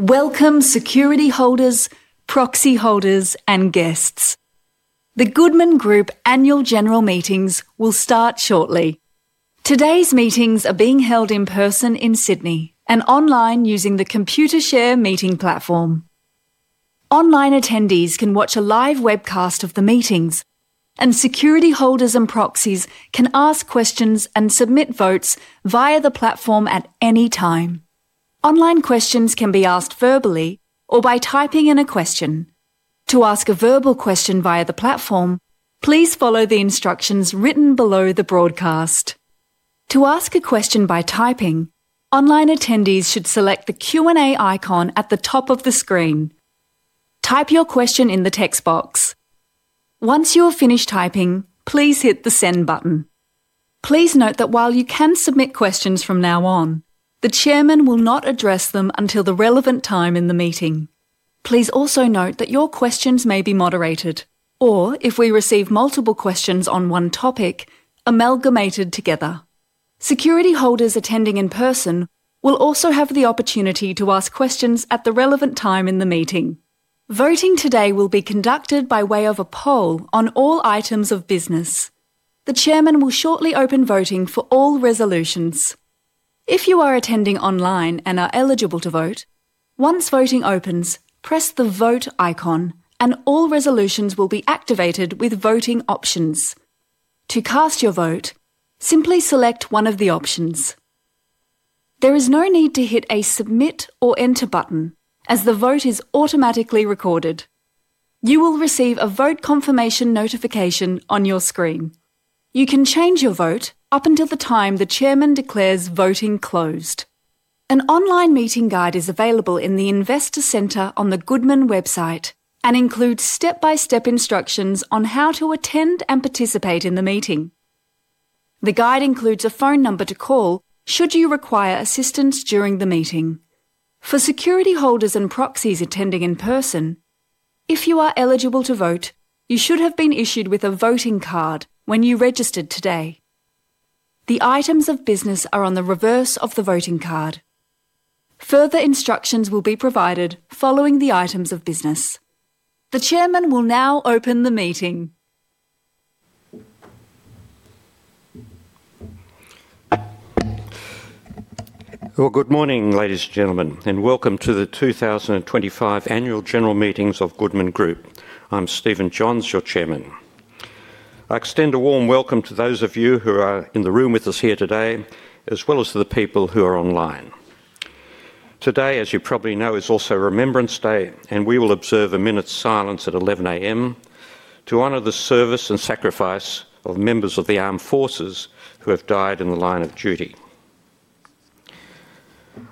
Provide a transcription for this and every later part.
Welcome, security holders, proxy holders, and guests. The Goodman Group Annual General Meetings will start shortly. Today's meetings are being held in person in Sydney and online using the Computershare meeting platform. Online attendees can watch a live webcast of the meetings, and security holders and proxies can ask questions and submit votes via the platform at any time. Online questions can be asked verbally or by typing in a question. To ask a verbal question via the platform, please follow the instructions written below the broadcast. To ask a question by typing, online attendees should select the Q&A icon at the top of the screen. Type your question in the text box. Once you have finished typing, please hit the Send button. Please note that while you can submit questions from now on, the Chairman will not address them until the relevant time in the meeting. Please also note that your questions may be moderated, or, if we receive multiple questions on one topic, amalgamated together. Security holders attending in person will also have the opportunity to ask questions at the relevant time in the meeting. Voting today will be conducted by way of a poll on all items of business. The Chairman will shortly open voting for all resolutions. If you are attending online and are eligible to vote, once voting opens, press the Vote icon, and all resolutions will be activated with voting options. To cast your vote, simply select one of the options. There is no need to hit a Submit or Enter button, as the vote is automatically recorded. You will receive a vote confirmation notification on your screen. You can change your vote up until the time the Chairman declares voting closed. An online meeting guide is available in the Investor Centre on the Goodman website and includes step-by-step instructions on how to attend and participate in the meeting. The guide includes a phone number to call should you require assistance during the meeting. For security holders and proxies attending in person, if you are eligible to vote, you should have been issued with a voting card when you registered today. The items of business are on the reverse of the voting card. Further instructions will be provided following the items of business. The Chairman will now open the meeting. Good morning, ladies and gentlemen, and welcome to the 2025 Annual General Meetings of Goodman Group. I'm Stephen Johns, your Chairman. I extend a warm welcome to those of you who are in the room with us here today, as well as to the people who are online. Today, as you probably know, is also Remembrance Day, and we will observe a minute's silence at 11:00 A.M. to honor the service and sacrifice of members of the armed forces who have died in the line of duty.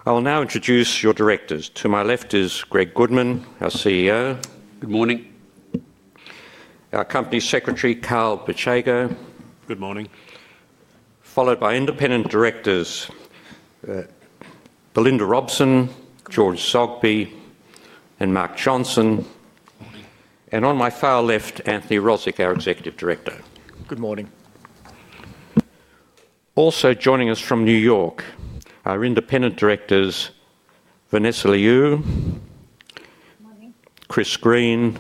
I will now introduce your directors. To my left is Greg Goodman, our CEO. Good morning. Our Company Secretary, Carl Bicego, followed by independent directors, Belinda Robson, George Zoghbi, and Mark Johnson. Good morning. On my far left, Anthony Rozic, our Executive Director. Good morning. Also joining us from New York are independent directors Vanessa Liu, Chris Green,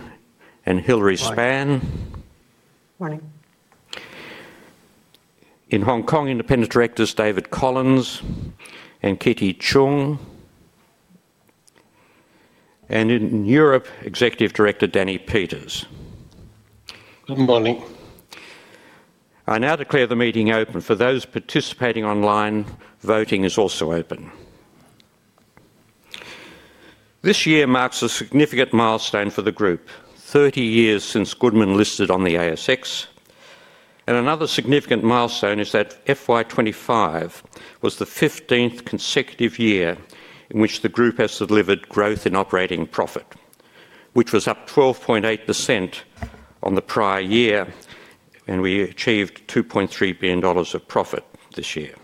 and Hilary Spann. Good morning. In Hong Kong, independent directors, David Collins and Kitty Chung, and in Europe, Executive Director, Danny Peeters. Good morning. I now declare the meeting open. For those participating online, voting is also open. This year marks a significant milestone for the Group: 30 years since Goodman listed on the ASX. Another significant milestone is that FY 2025 was the 15th consecutive year in which the Group has delivered growth in operating profit, which was up 12.8% on the prior year, and we achieved 2.3 billion dollars of profit this year.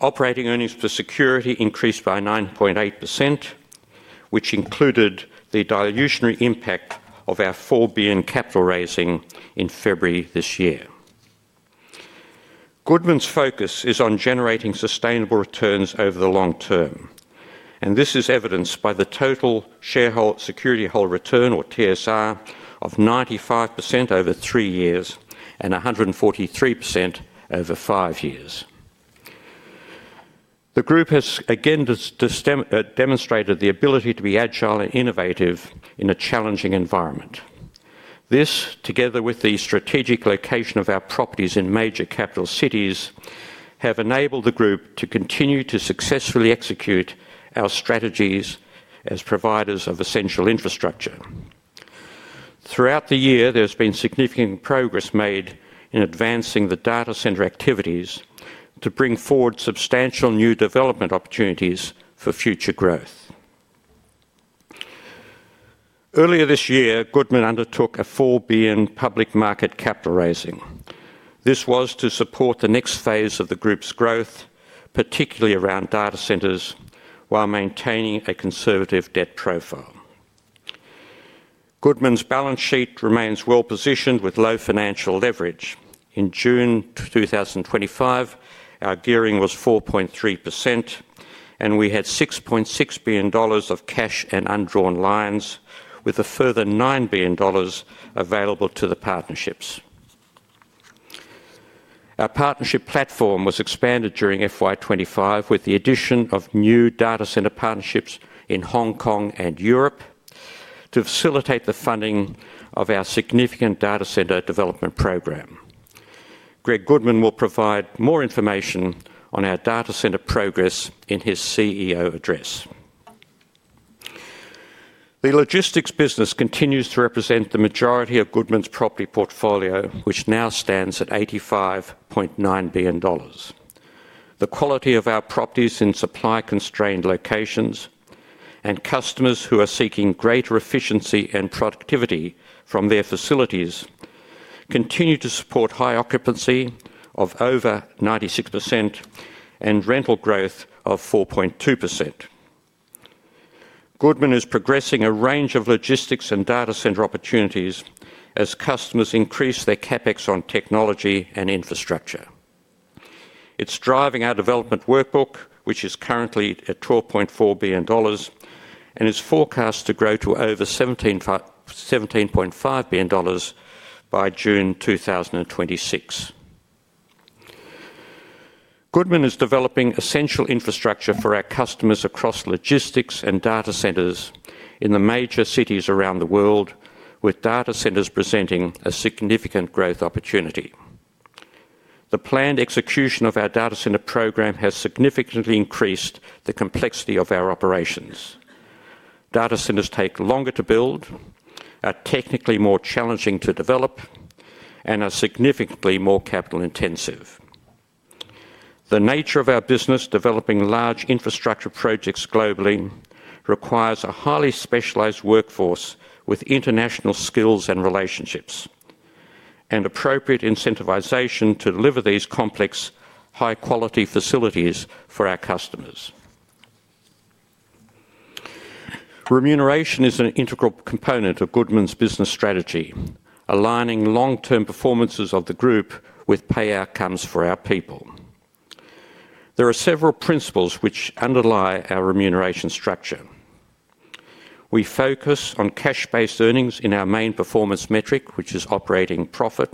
Operating earnings per security increased by 9.8%, which included the dilutionary impact of our 4 billion capital raising in February this year. Goodman's focus is on generating sustainable returns over the long-term, and this is evidenced by the total shareholder return, or TSR, of 95% over three years and 143% over five years. The Group has again demonstrated the ability to be agile and innovative in a challenging environment. This, together with the strategic location of our properties in major capital cities, has enabled the Group to continue to successfully execute our strategies as providers of essential infrastructure. Throughout the year, there has been significant progress made in advancing the data center activities to bring forward substantial new development opportunities for future growth. Earlier this year, Goodman undertook an 4 billion public market capital raising. This was to support the next phase of the Group's growth, particularly around data centers, while maintaining a conservative debt profile. Goodman's balance sheet remains well positioned with low financial leverage. In June 2025, our gearing was 4.3%, and we had 6.6 billion dollars of cash and undrawn lines, with a further 9 billion dollars available to the partnerships. Our partnership platform was expanded during FY 2025 with the addition of new data center partnerships in Hong Kong and Europe to facilitate the funding of our significant data center development program. Greg Goodman will provide more information on our data center progress in his CEO address. The logistics business continues to represent the majority of Goodman's property portfolio, which now stands at 85.9 billion dollars. The quality of our properties in supply-constrained locations and customers who are seeking greater efficiency and productivity from their facilities continue to support high occupancy of over 96% and rental growth of 4.2%. Goodman is progressing a range of logistics and data center opportunities as customers increase their CapEx on technology and infrastructure. It's driving our development workbook, which is currently at 12.4 billion dollars and is forecast to grow to over 17.5 billion dollars by June 2026. Goodman is developing essential infrastructure for our customers across logistics and data centers in the major cities around the world, with data centers presenting a significant growth opportunity. The planned execution of our data center program has significantly increased the complexity of our operations. Data centers take longer to build, are technically more challenging to develop, and are significantly more capital-intensive. The nature of our business, developing large infrastructure projects globally, requires a highly specialized workforce with international skills and relationships and appropriate incentivization to deliver these complex, high-quality facilities for our customers. Remuneration is an integral component of Goodman's business strategy, aligning long-term performances of the Group with pay outcomes for our people. There are several principles which underlie our remuneration structure. We focus on cash-based earnings in our main performance metric, which is operating profit,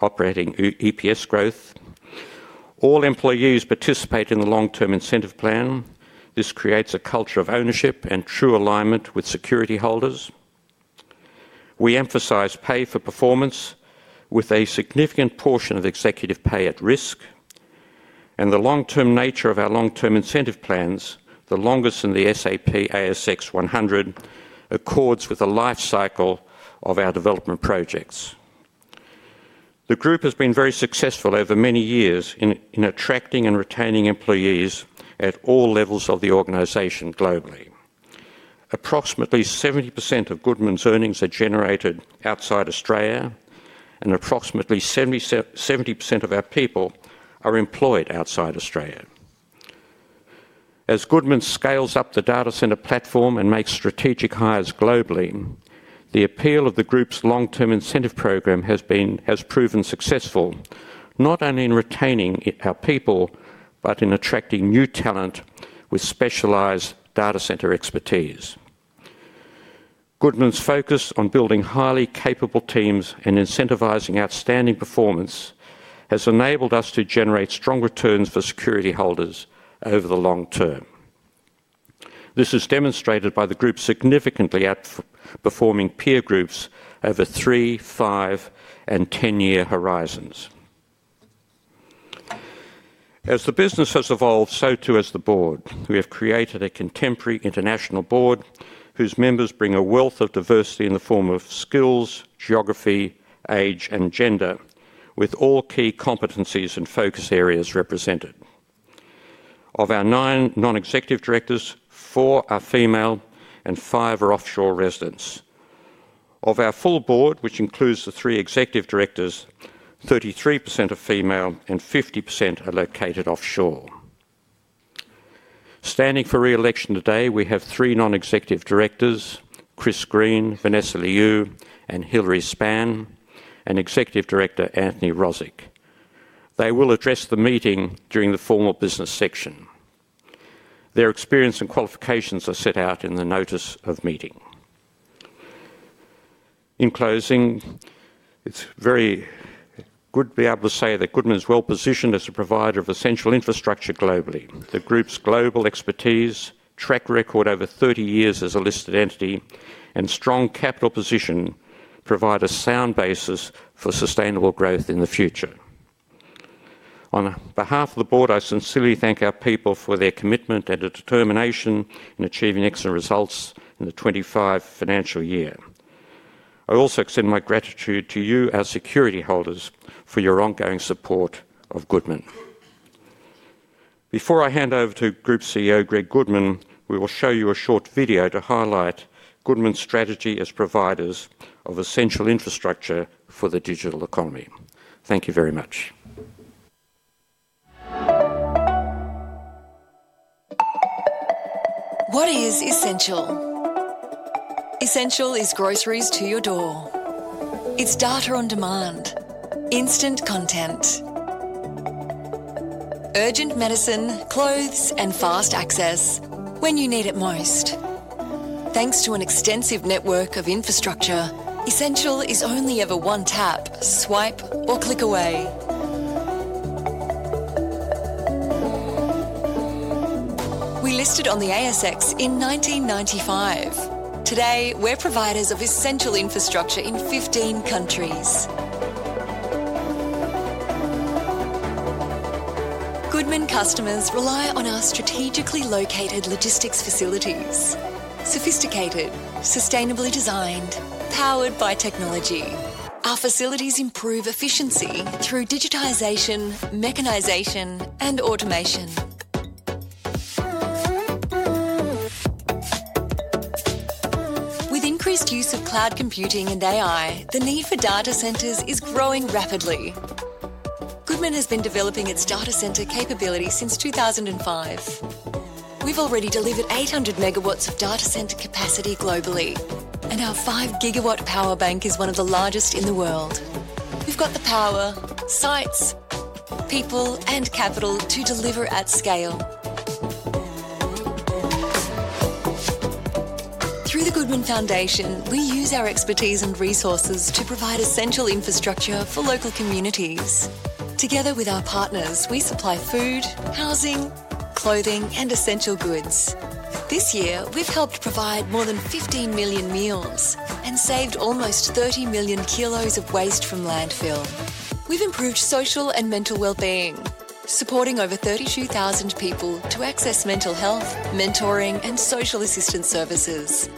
operating EPS growth. All employees participate in the long-term incentive plan. This creates a culture of ownership and true alignment with security holders. We emphasize pay for performance, with a significant portion of executive pay at risk. The long-term nature of our long-term incentive plans, the longest in the ASX 100, accords with the life cycle of our development projects. The Group has been very successful over many years in attracting and retaining employees at all levels of the organization globally. Approximately 70% of Goodman's earnings are generated outside Australia, and approximately 70% of our people are employed outside Australia. As Goodman scales up the data center platform and makes strategic hires globally, the appeal of the Group's long-term incentive program has proven successful not only in retaining our people but in attracting new talent with specialized data center expertise. Goodman's focus on building highly capable teams and incentivizing outstanding performance has enabled us to generate strong returns for security holders over the long-term. This is demonstrated by the Group's significantly outperforming peer groups over three, five, and ten-year horizons. As the business has evolved, so too has the Board. We have created a contemporary international board whose members bring a wealth of diversity in the form of skills, geography, age, and gender, with all key competencies and focus areas represented. Of our nine non-Executive Directors, four are female and five are offshore residents. Of our full Board, which includes the three Executive Directors, 33% are female and 50% are located offshore. Standing for re-election today, we have three non-Executive Directors: Chris Green, Vanessa Liu, and Hilary Spann, and Executive Director, Anthony Rozic. They will address the meeting during the formal business section. Their experience and qualifications are set out in the notice of meeting. In closing, it's very good to be able to say that Goodman is well positioned as a provider of essential infrastructure globally. The Group's global expertise, track record over 30 years as a listed entity, and strong capital position provide a sound basis for sustainable growth in the future. On behalf of the Board, I sincerely thank our people for their commitment and determination in achieving excellent results in the 2025 financial year. I also extend my gratitude to you, our security holders, for your ongoing support of Goodman. Before I hand over to Group CEO Greg Goodman, we will show you a short video to highlight Goodman's strategy as providers of essential infrastructure for the digital economy. Thank you very much. What is Essential? Essential is groceries to your door. It's data on demand, instant content, urgent medicine, clothes, and fast access when you need it most. Thanks to an extensive network of infrastructure, Essential is only ever one tap, swipe, or click away. We listed on the ASX in 1995. Today, we're providers of essential infrastructure in 15 countries. Goodman customers rely on our strategically located logistics facilities. Sophisticated, sustainably designed, powered by technology, our facilities improve efficiency through digitization, mechanization, and automation. With increased use of cloud computing and AI, the need for data centers is growing rapidly. Goodman has been developing its data center capability since 2005. We've already delivered 800 MW of data center capacity globally, and our 5 GW power bank is one of the largest in the world. We've got the power, sites, people, and capital to deliver at scale. Through the Goodman Foundation, we use our expertise and resources to provide essential infrastructure for local communities. Together with our partners, we supply food, housing, clothing, and essential goods. This year, we have helped provide more than 15 million meals and saved almost 30 million kilos of waste from landfill. We have improved social and mental well-being, supporting over 32,000 people to access mental health, mentoring, and social assistance services.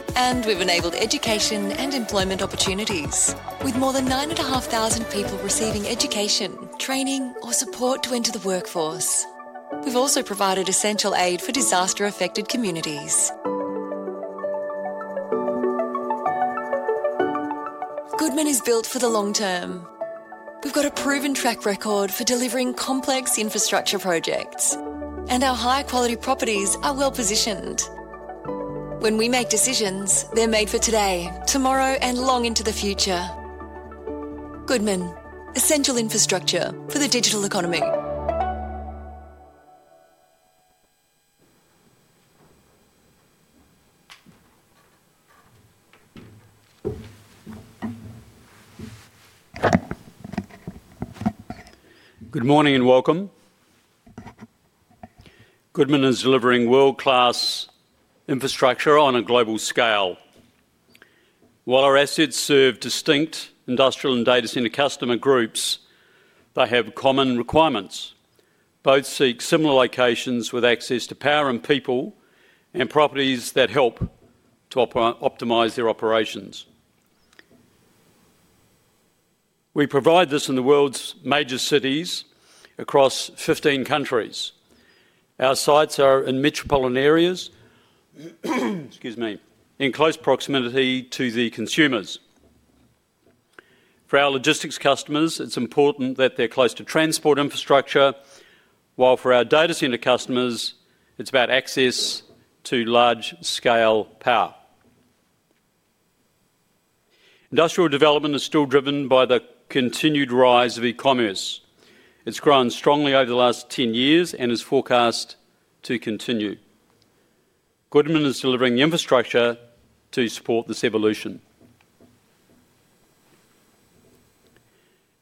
We have enabled education and employment opportunities, with more than 9,500 people receiving education, training, or support to enter the workforce. We have also provided essential aid for disaster-affected communities. Goodman is built for the long-term. We have a proven track record for delivering complex infrastructure projects, and our high-quality properties are well positioned. When we make decisions, they are made for today, tomorrow, and long into the future. Goodman, essential infrastructure for the digital economy. Good morning and welcome. Goodman is delivering world-class infrastructure on a global scale. While our assets serve distinct industrial and data center customer groups, they have common requirements. Both seek similar locations with access to power and people and properties that help to optimize their operations. We provide this in the world's major cities across 15 countries. Our sites are in metropolitan areas in close proximity to the consumers. For our logistics customers, it's important that they're close to transport infrastructure, while for our data center customers, it's about access to large-scale power. Industrial development is still driven by the continued rise of e-commerce. It's grown strongly over the last 10 years and is forecast to continue. Goodman is delivering infrastructure to support this evolution.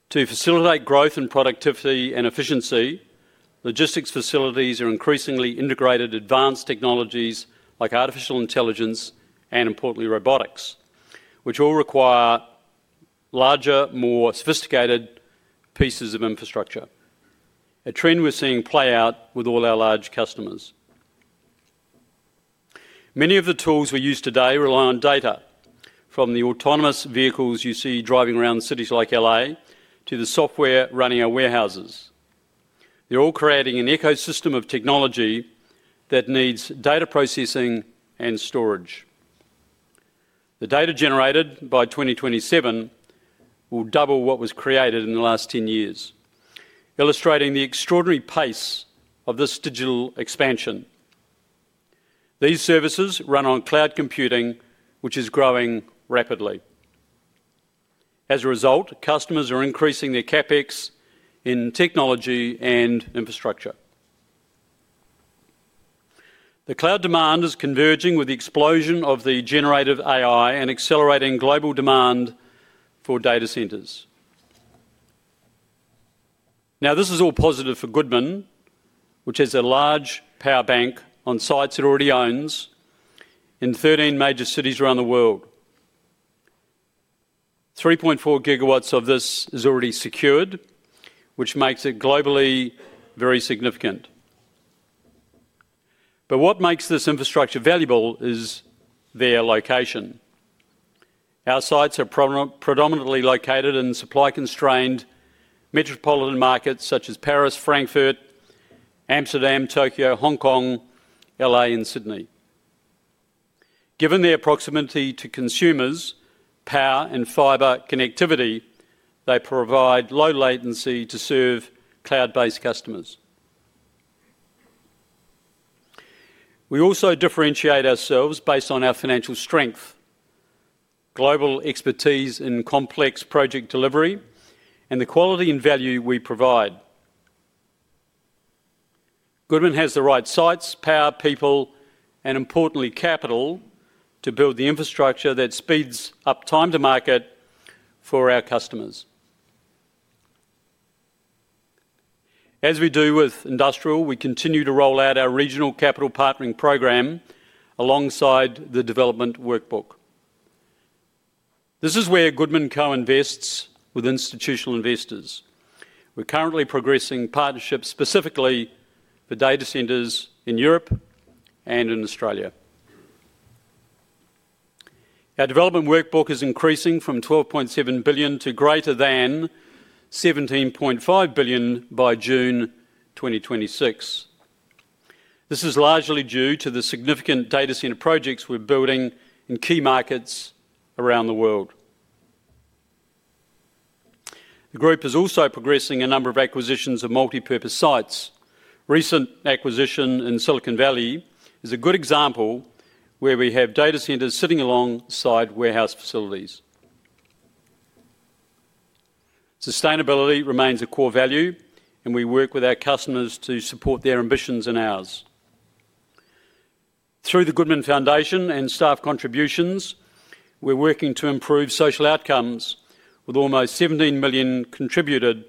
To facilitate growth and productivity and efficiency, logistics facilities are increasingly integrating advanced technologies like artificial intelligence and, importantly, robotics, which all require larger, more sophisticated pieces of infrastructure. A trend we're seeing play out with all our large customers. Many of the tools we use today rely on data, from the autonomous vehicles you see driving around cities like Los Angeles to the software running our warehouses. They're all creating an ecosystem of technology that needs data processing and storage. The data generated by 2027 will double what was created in the last 10 years, illustrating the extraordinary pace of this digital expansion. These services run on cloud computing, which is growing rapidly. As a result, customers are increasing their CapEx in technology and infrastructure. The cloud demand is converging with the explosion of the generative AI and accelerating global demand for data centers. Now, this is all positive for Goodman, which has a large power bank on sites it already owns in 13 major cities around the world. 3.4 GW of this is already secured, which makes it globally very significant. What makes this infrastructure valuable is their location. Our sites are predominantly located in supply-constrained metropolitan markets such as Paris, Frankfurt, Amsterdam, Tokyo, Hong Kong, Los Angeles, and Sydney. Given their proximity to consumers, power, and fiber connectivity, they provide low latency to serve cloud-based customers. We also differentiate ourselves based on our financial strength, global expertise in complex project delivery, and the quality and value we provide. Goodman has the right sites, power, people, and, importantly, capital to build the infrastructure that speeds up time to market for our customers. As we do with industrial, we continue to roll out our regional capital partnering program alongside the development workbook. This is where Goodman co-invests with institutional investors. We're currently progressing partnerships specifically for data centers in Europe and in Australia. Our development workbook is increasing from 12.7 billion to greater than 17.5 billion by June 2026. This is largely due to the significant data center projects we're building in key markets around the world. The Group is also progressing a number of acquisitions of multi-purpose sites. Recent acquisition in Silicon Valley is a good example where we have data centers sitting alongside warehouse facilities. Sustainability remains a core value, and we work with our customers to support their ambitions and ours. Through the Goodman Foundation and staff contributions, we're working to improve social outcomes with almost 17 million contributed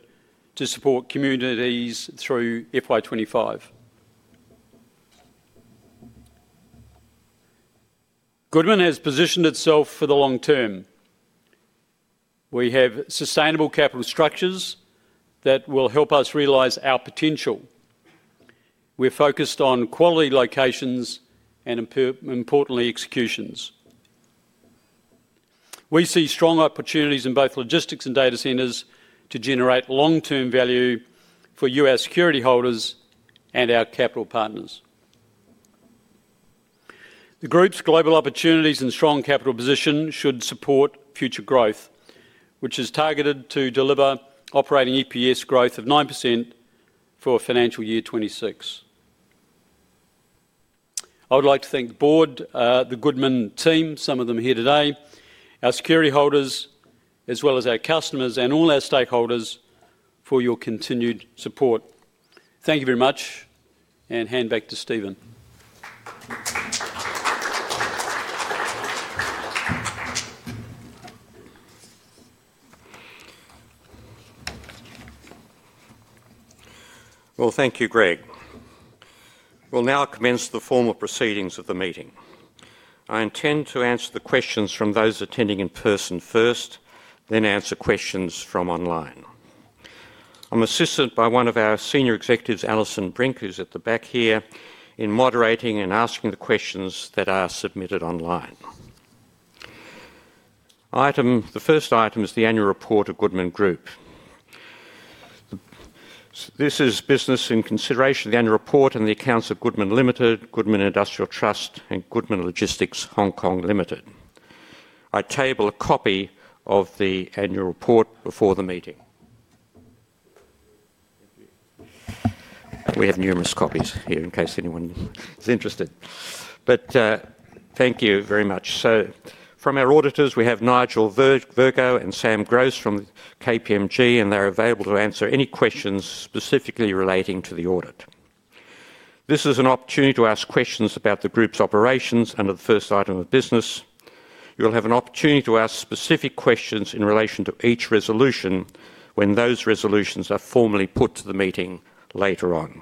to support communities through FY 2025. Goodman has positioned itself for the long-term. We have sustainable capital structures that will help us realize our potential. We're focused on quality locations and, importantly, executions. We see strong opportunities in both logistics and data centers to generate long-term value for US security holders and our capital partners. The Group's global opportunities and strong capital position should support future growth, which is targeted to deliver operating EPS growth of 9% for financial year 2026. I would like to thank the Board, the Goodman team, some of them here today, our security holders, as well as our customers and all our stakeholders for your continued support. Thank you very much, and hand back to Stephen. Thank you, Greg. We'll now commence the formal proceedings of the meeting. I intend to answer the questions from those attending in person first, then answer questions from online. I'm assisted by one of our senior executives, Alison Brink, who's at the back here in moderating and asking the questions that are submitted online. The first item is the annual report of Goodman Group. This is business in consideration of the annual report and the accounts of Goodman Limited, Goodman Industrial Trust, and Goodman Logistics Hong Kong Limited. I table a copy of the annual report before the meeting. We have numerous copies here in case anyone is interested. Thank you very much. From our auditors, we have Nigel Vergo and Sam Gross from KPMG, and they're available to answer any questions specifically relating to the audit. This is an opportunity to ask questions about the Group's operations under the first item of business. You'll have an opportunity to ask specific questions in relation to each resolution when those resolutions are formally put to the meeting later on.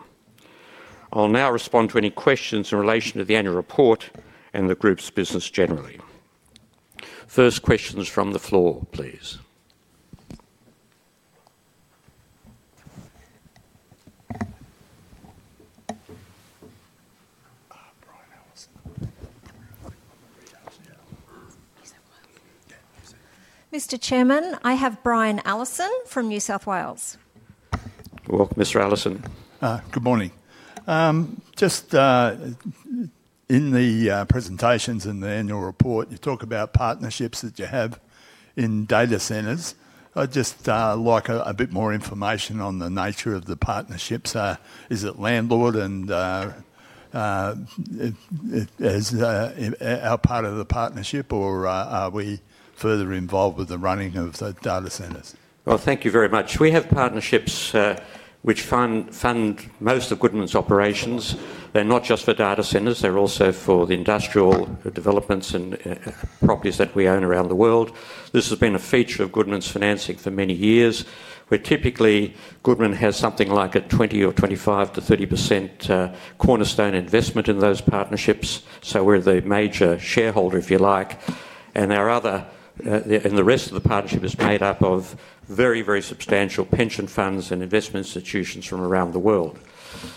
I'll now respond to any questions in relation to the annual report and the Group's business generally. First questions from the floor, please. Mr. Chairman, I have Brian Allison from New South Wales. Mr. Allison. Good morning. Just in the presentations in the annual report, you talk about partnerships that you have in data centers. I'd just like a bit more information on the nature of the partnerships. Is it landlord and is it our part of the partnership, or are we further involved with the running of the data centers? Thank you very much. We have partnerships which fund most of Goodman's operations. They're not just for data centers. They're also for the industrial developments and properties that we own around the world. This has been a feature of Goodman's financing for many years, where typically Goodman has something like a 20% or 25%-30% cornerstone investment in those partnerships. We're the major shareholder, if you like. The rest of the partnership is made up of very, very substantial pension funds and investment institutions from around the world.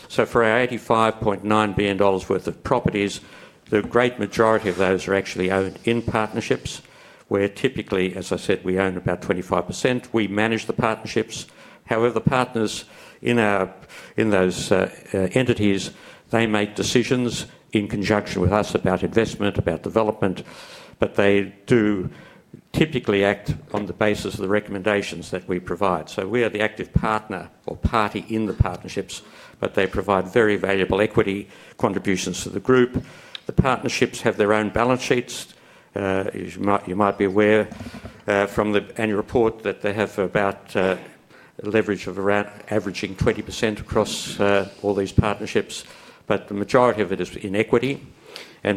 For our 85.9 billion dollars worth of properties, the great majority of those are actually owned in partnerships, where typically, as I said, we own about 25%. We manage the partnerships. However, the partners in those entities, they make decisions in conjunction with us about investment, about development, but they do typically act on the basis of the recommendations that we provide. We are the active partner or party in the partnerships, but they provide very valuable equity contributions to the Group. The partnerships have their own balance sheets. You might be aware from the annual report that they have about a leverage of averaging 20% across all these partnerships, but the majority of it is in equity.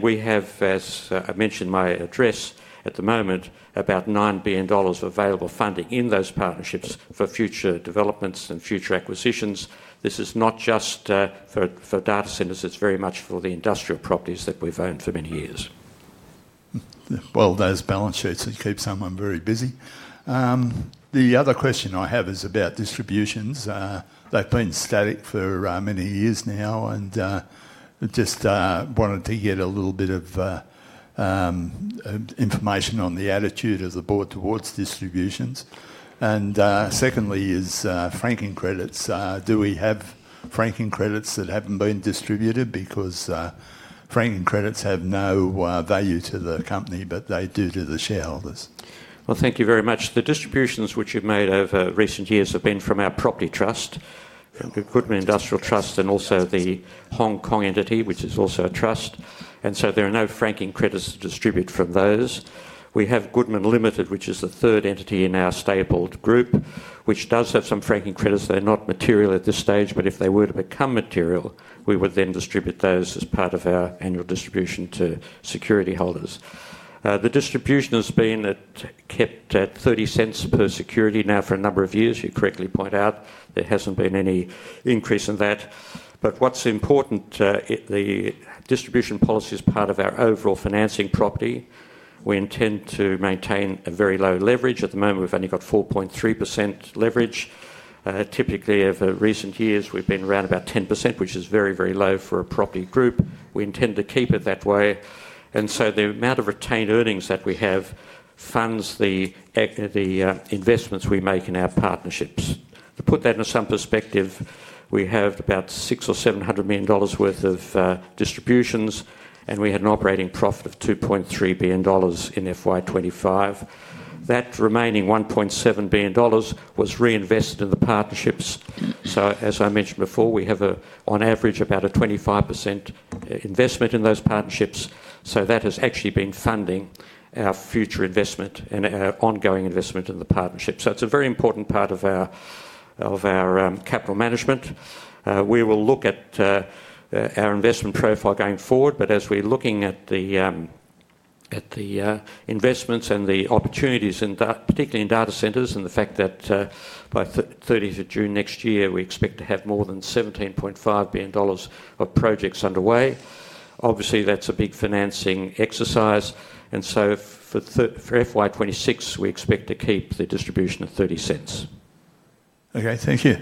We have, as I mentioned in my address at the moment, about 9 billion dollars available funding in those partnerships for future developments and future acquisitions. This is not just for data centers. It is very much for the industrial properties that we've owned for many years. Those balance sheets keep someone very busy. The other question I have is about distributions. They have been static for many years now, and I just wanted to get a little bit of information on the attitude of the Board towards distributions. Secondly is franking credits. Do we have franking credits that have not been distributed? Because franking credits have no value to the company, but they do to the shareholders. Thank you very much. The distributions which have been made over recent years have been from our property trust, Goodman Industrial Trust, and also the Hong Kong entity, which is also a trust. There are no franking credits to distribute from those. We have Goodman Limited, which is the third entity in our stable group, which does have some franking credits. They are not material at this stage, but if they were to become material, we would then distribute those as part of our annual distribution to security holders. The distribution has been kept at 0.30 per security now for a number of years, you correctly point out. There has not been any increase in that. What is important, the distribution policy is part of our overall financing property. We intend to maintain a very low leverage. At the moment, we have only got 4.3% leverage. Typically, over recent years, we've been around about 10%, which is very, very low for a property group. We intend to keep it that way. The amount of retained earnings that we have funds the investments we make in our partnerships. To put that into some perspective, we have about 600 million or 700 million dollars worth of distributions, and we had an operating profit of 2.3 billion dollars in FY 2025. That remaining 1.7 billion dollars was reinvested in the partnerships. As I mentioned before, we have on average about a 25% investment in those partnerships. That has actually been funding our future investment and our ongoing investment in the partnership. It is a very important part of our capital management. We will look at our investment profile going forward, but as we're looking at the investments and the opportunities, particularly in data centers, and the fact that by 30 June next year, we expect to have more than 17.5 billion dollars of projects underway, obviously that's a big financing exercise. For FY 2026, we expect to keep the distribution of 0.30. Okay, thank you.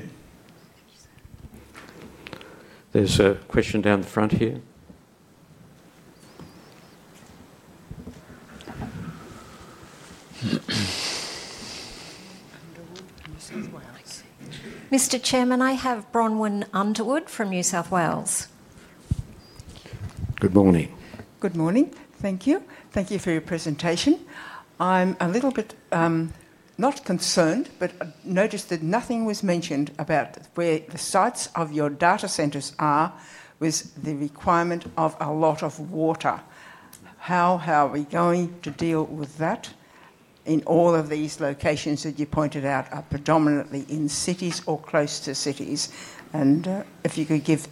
There's a question down the front here. Mr. Chairman, I have Bronwyn Underwood from New South Wales. Good morning. Good morning. Thank you. Thank you for your presentation. I'm a little bit not concerned, but I noticed that nothing was mentioned about where the sites of your data centers are with the requirement of a lot of water. How are we going to deal with that in all of these locations that you pointed out are predominantly in cities or close to cities? If you could give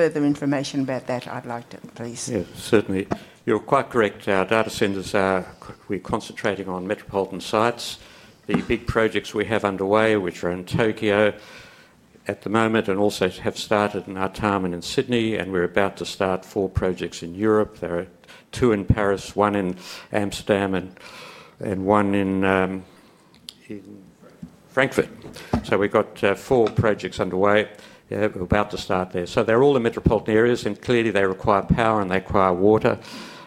further information about that, I'd like to please. Yes, certainly. You're quite correct. Our data centers, we're concentrating on metropolitan sites. The big projects we have underway, which are in Tokyo at the moment, and also have started in Artarmon and in Sydney, and we're about to start four projects in Europe. There are two in Paris, one in Amsterdam, and one in Frankfurt. So we've got four projects underway. We're about to start there. They're all in metropolitan areas, and clearly they require power and they require water.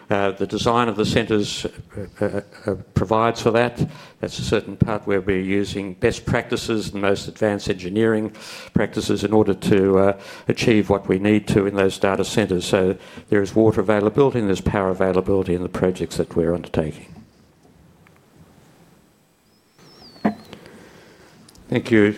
The design of the centers provides for that. That's a certain part where we're using best practices and most advanced engineering practices in order to achieve what we need to in those data centers. There is water availability, and there's power availability in the projects that we're undertaking. Thank you.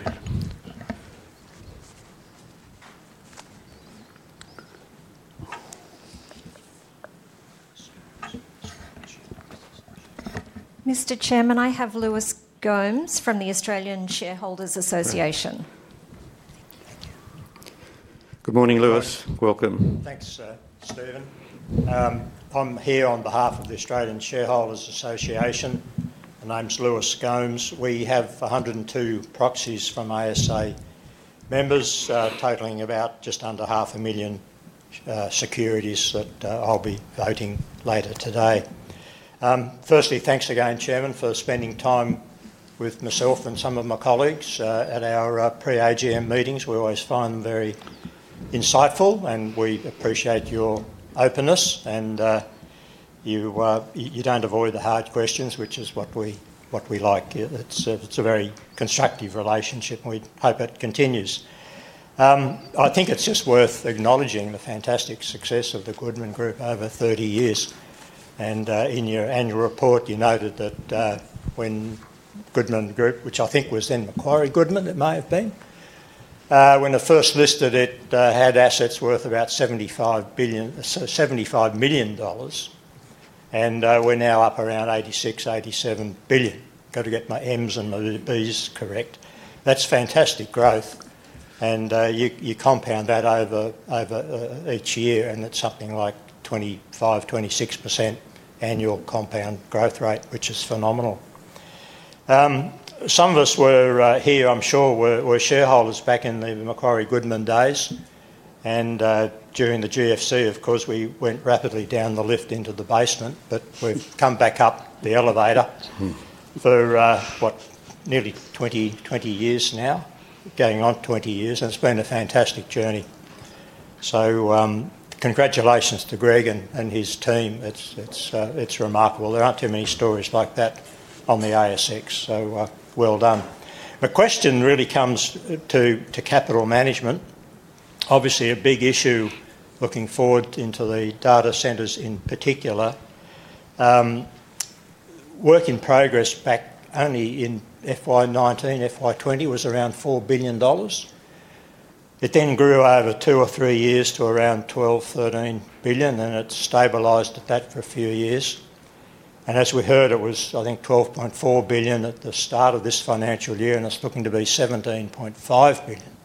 Mr. Chairman, I have Lewis Gomes from the Australian Shareholders Association. Good morning, Lewis. Welcome. Thanks, Stephen. I'm here on behalf of the Australian Shareholders Association. My name's Lewis Gomes. We have 102 proxies from ASA members, totaling about just under 500,000 securities that I'll be voting later today. Firstly, thanks again, Chairman, for spending time with myself and some of my colleagues at our pre-AGM meetings. We always find them very insightful, and we appreciate your openness, and you don't avoid the hard questions, which is what we like. It's a very constructive relationship, and we hope it continues. I think it's just worth acknowledging the fantastic success of the Goodman Group over 30 years. And in your annual report, you noted that when Goodman Group, which I think was then Macquarie Goodman, it might have been, when it first listed, it had assets worth about 75 billion dollars, and we're now up around 86 billion-87 billion. Got to get my Ms and my Bs correct. That's fantastic growth. You compound that over each year, and it's something like 25%-26% annual compound growth rate, which is phenomenal. Some of us were here, I'm sure, were shareholders back in the Macquarie Goodman days. During the GFC, of course, we went rapidly down the lift into the basement, but we've come back up the elevator for what, nearly 20 years now, going on 20 years, and it's been a fantastic journey. Congratulations to Greg and his team. It's remarkable. There aren't too many stories like that on the ASX, so well done. The question really comes to capital management. Obviously, a big issue looking forward into the data centers in particular. Work in progress back only in FY 2019, FY 2020 was around 4 billion dollars. It then grew over two or three years to around 12 billion, 13 billion, and it stabilized at that for a few years. As we heard, it was, I think, 12.4 billion at the start of this financial year, and it is looking to be 17.5 billion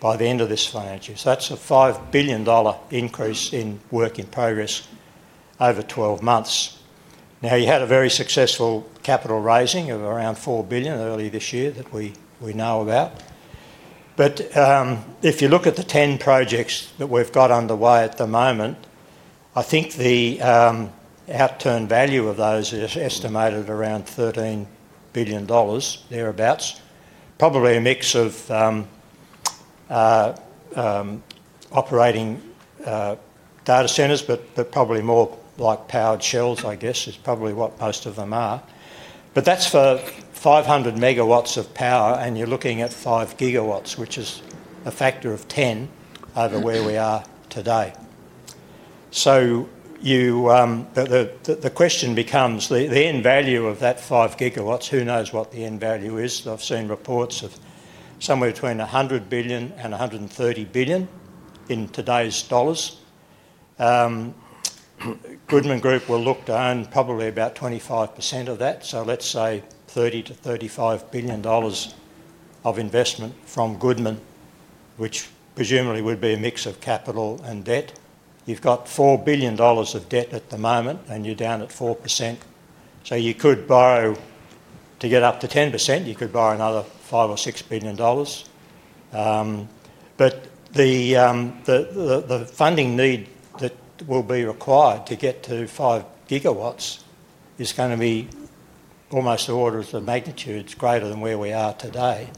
by the end of this financial year. That is a 5 billion dollar increase in work in progress over 12 months. You had a very successful capital raising of around 4 billion early this year that we know about. If you look at the 10 projects that we have got underway at the moment, I think the outturn value of those is estimated around 13 billion dollars, thereabouts. Probably a mix of operating data centers, but probably more like powered shells, I guess, is probably what most of them are. That's for 500 MW of power, and you're looking at 5 GW, which is a factor of 10 over where we are today. The question becomes, the end value of that 5 GW, who knows what the end value is? I've seen reports of somewhere between 100 billion and 130 billion in today's dollars. Goodman Group will look to own probably about 25% of that. Let's say 30 billion-35 billion dollars of investment from Goodman, which presumably would be a mix of capital and debt. You've got 4 billion dollars of debt at the moment, and you're down at 4%. You could borrow to get up to 10%. You could borrow another 5 billion-6 billion dollars. The funding need that will be required to get to 5 GW is going to be almost the orders of magnitude. It's greater than where we are today.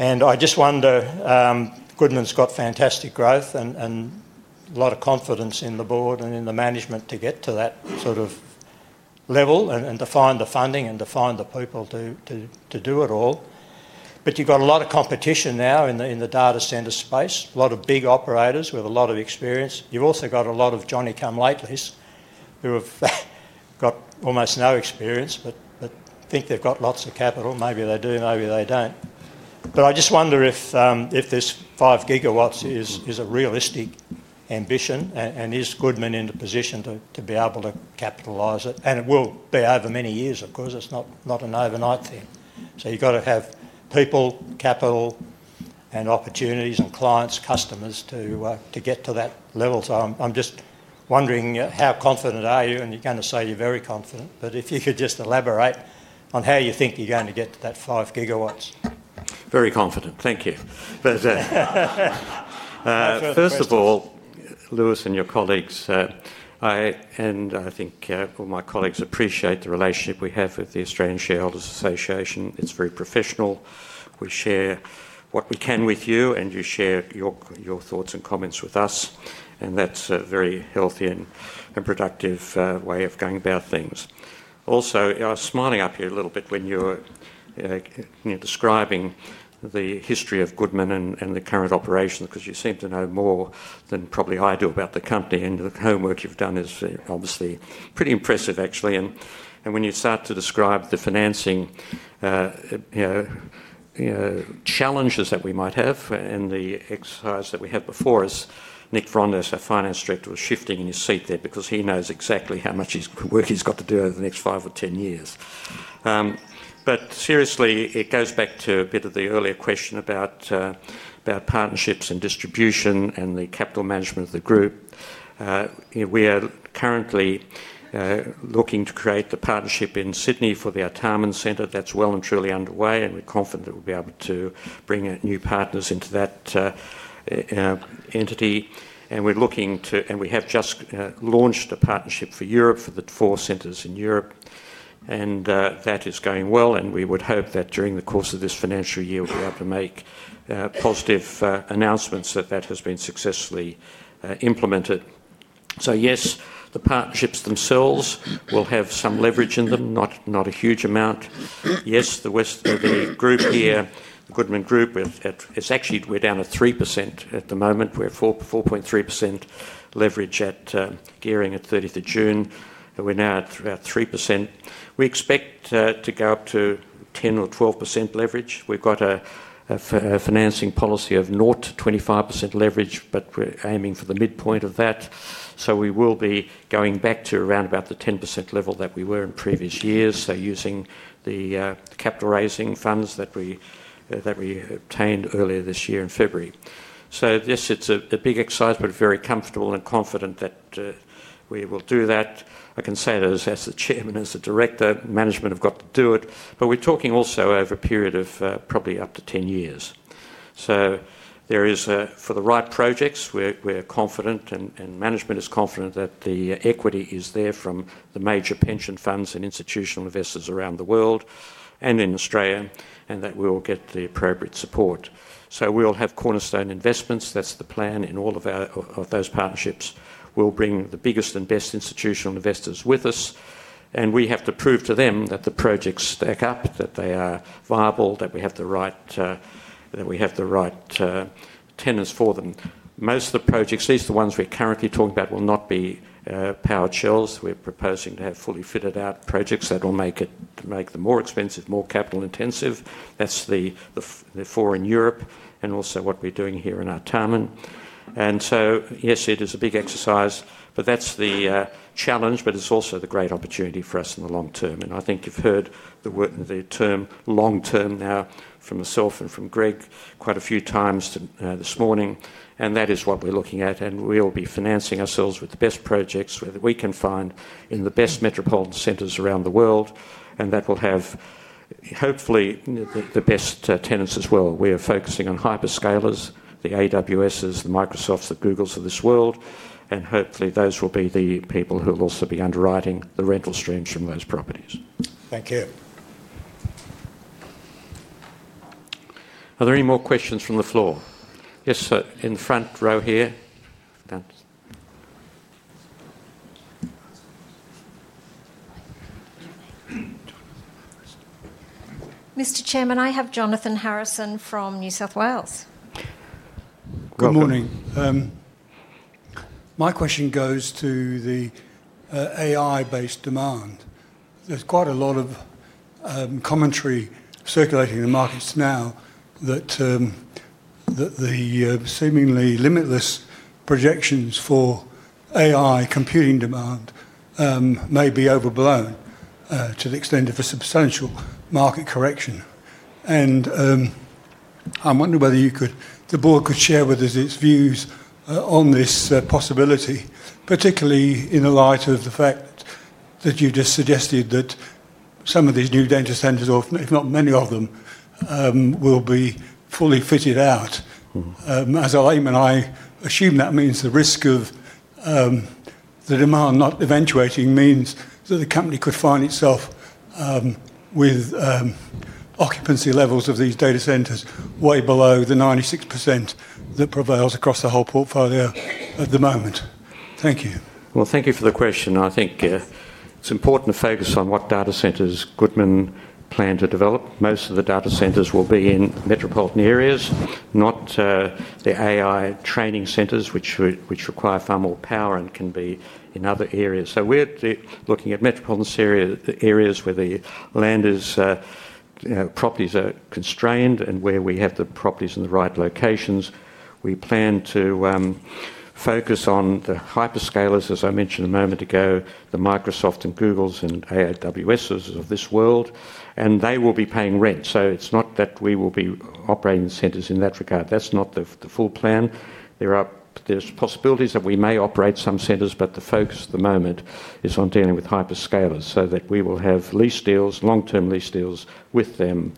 I just wonder, Goodman's got fantastic growth and a lot of confidence in the Board and in the management to get to that sort of level and to find the funding and to find the people to do it all. You've got a lot of competition now in the data center space, a lot of big operators with a lot of experience. You've also got a lot of Johnny-come-latelists who have got almost no experience, but think they've got lots of capital. Maybe they do, maybe they don't. I just wonder if this 5 GW is a realistic ambition, and is Goodman in a position to be able to capitalize it? It will be over many years, of course. It's not an overnight thing. You've got to have people, capital, and opportunities and clients, customers to get to that level. I'm just wondering, how confident are you? You're going to say you're very confident, but if you could just elaborate on how you think you're going to get to that 5 GW. Very confident. Thank you. First of all, Lewis and your colleagues, and I think all my colleagues appreciate the relationship we have with the Australian Shareholders Association. It's very professional. We share what we can with you, and you share your thoughts and comments with us. That's a very healthy and productive way of going about things. Also, I was smiling up here a little bit when you were describing the history of Goodman and the current operations, because you seem to know more than probably I do about the company. The homework you've done is obviously pretty impressive, actually. When you start to describe the financing challenges that we might have and the exercise that we had before, as Nick Vrondas, our Finance Director, was shifting in his seat there because he knows exactly how much work he's got to do over the next 5 or 10 years. Seriously, it goes back to a bit of the earlier question about partnerships and distribution and the capital management of the group. We are currently looking to create the partnership in Sydney for the Artarmon Centre. That's well and truly underway, and we're confident that we'll be able to bring new partners into that entity. We're looking to, and we have just launched a partnership for Europe for the four centers in Europe. That is going well, and we would hope that during the course of this financial year, we'll be able to make positive announcements that that has been successfully implemented. Yes, the partnerships themselves will have some leverage in them, not a huge amount. Yes, the group here, the Goodman Group, it's actually we're down at 3% at the moment. We were 4.3% leverage at gearing at 30 June. We're now at about 3%. We expect to go up to 10%-12% leverage. We've got a financing policy of 0%-25% leverage, but we're aiming for the midpoint of that. We will be going back to around about the 10% level that we were in previous years, using the capital raising funds that we obtained earlier this year in February. Yes, it's a big exercise, but very comfortable and confident that we will do that. I can say that as the Chairman, as the director, management have got to do it. We are talking also over a period of probably up to 10 years. There is, for the right projects, we are confident, and management is confident that the equity is there from the major pension funds and institutional investors around the world and in Australia, and that we will get the appropriate support. We will have cornerstone investments. That is the plan in all of those partnerships. We will bring the biggest and best institutional investors with us, and we have to prove to them that the projects stack up, that they are viable, that we have the right tenors for them. Most of the projects, at least the ones we are currently talking about, will not be powered shells. We're proposing to have fully fitted out projects that will make them more expensive, more capital intensive. That is the four in Europe and also what we're doing here in Artarmon. Yes, it is a big exercise, that is the challenge, but it's also the great opportunity for us in the long-term. I think you've heard the term long-term now from myself and from Greg quite a few times this morning, and that is what we're looking at. We will be financing ourselves with the best projects that we can find in the best metropolitan centers around the world, and that will have hopefully the best tenants as well. We are focusing on hyperscalers, the AWSs, the Microsofts, the Googles of this world, and hopefully those will be the people who will also be underwriting the rental streams from those properties. Thank you. Are there any more questions from the floor? Yes, in the front row here. Mr. Chairman, I have Jonathan Harrison from New South Wales. Good morning. My question goes to the AI-based demand. There is quite a lot of commentary circulating in the markets now that the seemingly limitless projections for AI computing demand may be overblown to the extent of a substantial market correction. I am wondering whether the Board could share with us its views on this possibility, particularly in the light of the fact that you just suggested that some of these new data centers, or if not many of them, will be fully fitted out. As Aline and I assume, that means the risk of the demand not eventuating means that the company could find itself with occupancy levels of these data centers way below the 96% that prevails across the whole portfolio at the moment. Thank you. Thank you for the question. I think it's important to focus on what data centers Goodman plan to develop. Most of the data centers will be in metropolitan areas, not the AI training centers, which require far more power and can be in other areas. We are looking at metropolitan areas where the land is, properties are constrained, and where we have the properties in the right locations. We plan to focus on the hyperscalers, as I mentioned a moment ago, the Microsofts and Googles and AWSs of this world, and they will be paying rent. It is not that we will be operating centers in that regard. That is not the full plan. There are possibilities that we may operate some centers, but the focus at the moment is on dealing with hyperscalers so that we will have lease deals, long-term lease deals with them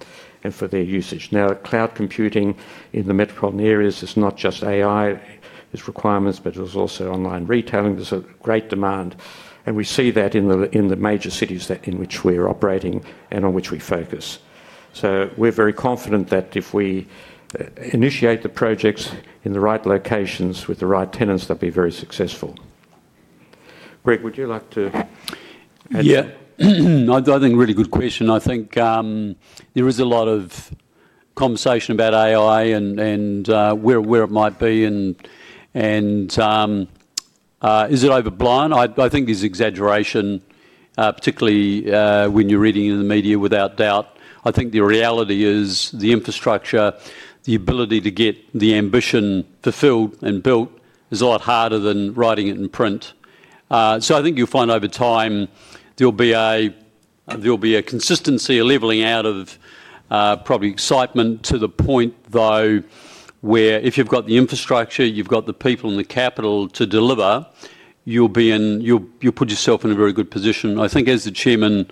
and for their usage. Now, cloud computing in the metropolitan areas is not just AI requirements, but it's also online retailing. There's a great demand, and we see that in the major cities in which we're operating and on which we focus. We are very confident that if we initiate the projects in the right locations with the right tenants, they'll be very successful. Greg, would you like to add to that? Yeah. I think really good question. I think there is a lot of conversation about AI and where it might be, and is it overblown? I think there's exaggeration, particularly when you're reading in the media, without doubt. I think the reality is the infrastructure, the ability to get the ambition fulfilled and built is a lot harder than writing it in print. I think you'll find over time there'll be a consistency leveling out of probably excitement to the point, though, where if you've got the infrastructure, you've got the people and the capital to deliver, you'll put yourself in a very good position. I think as the Chairman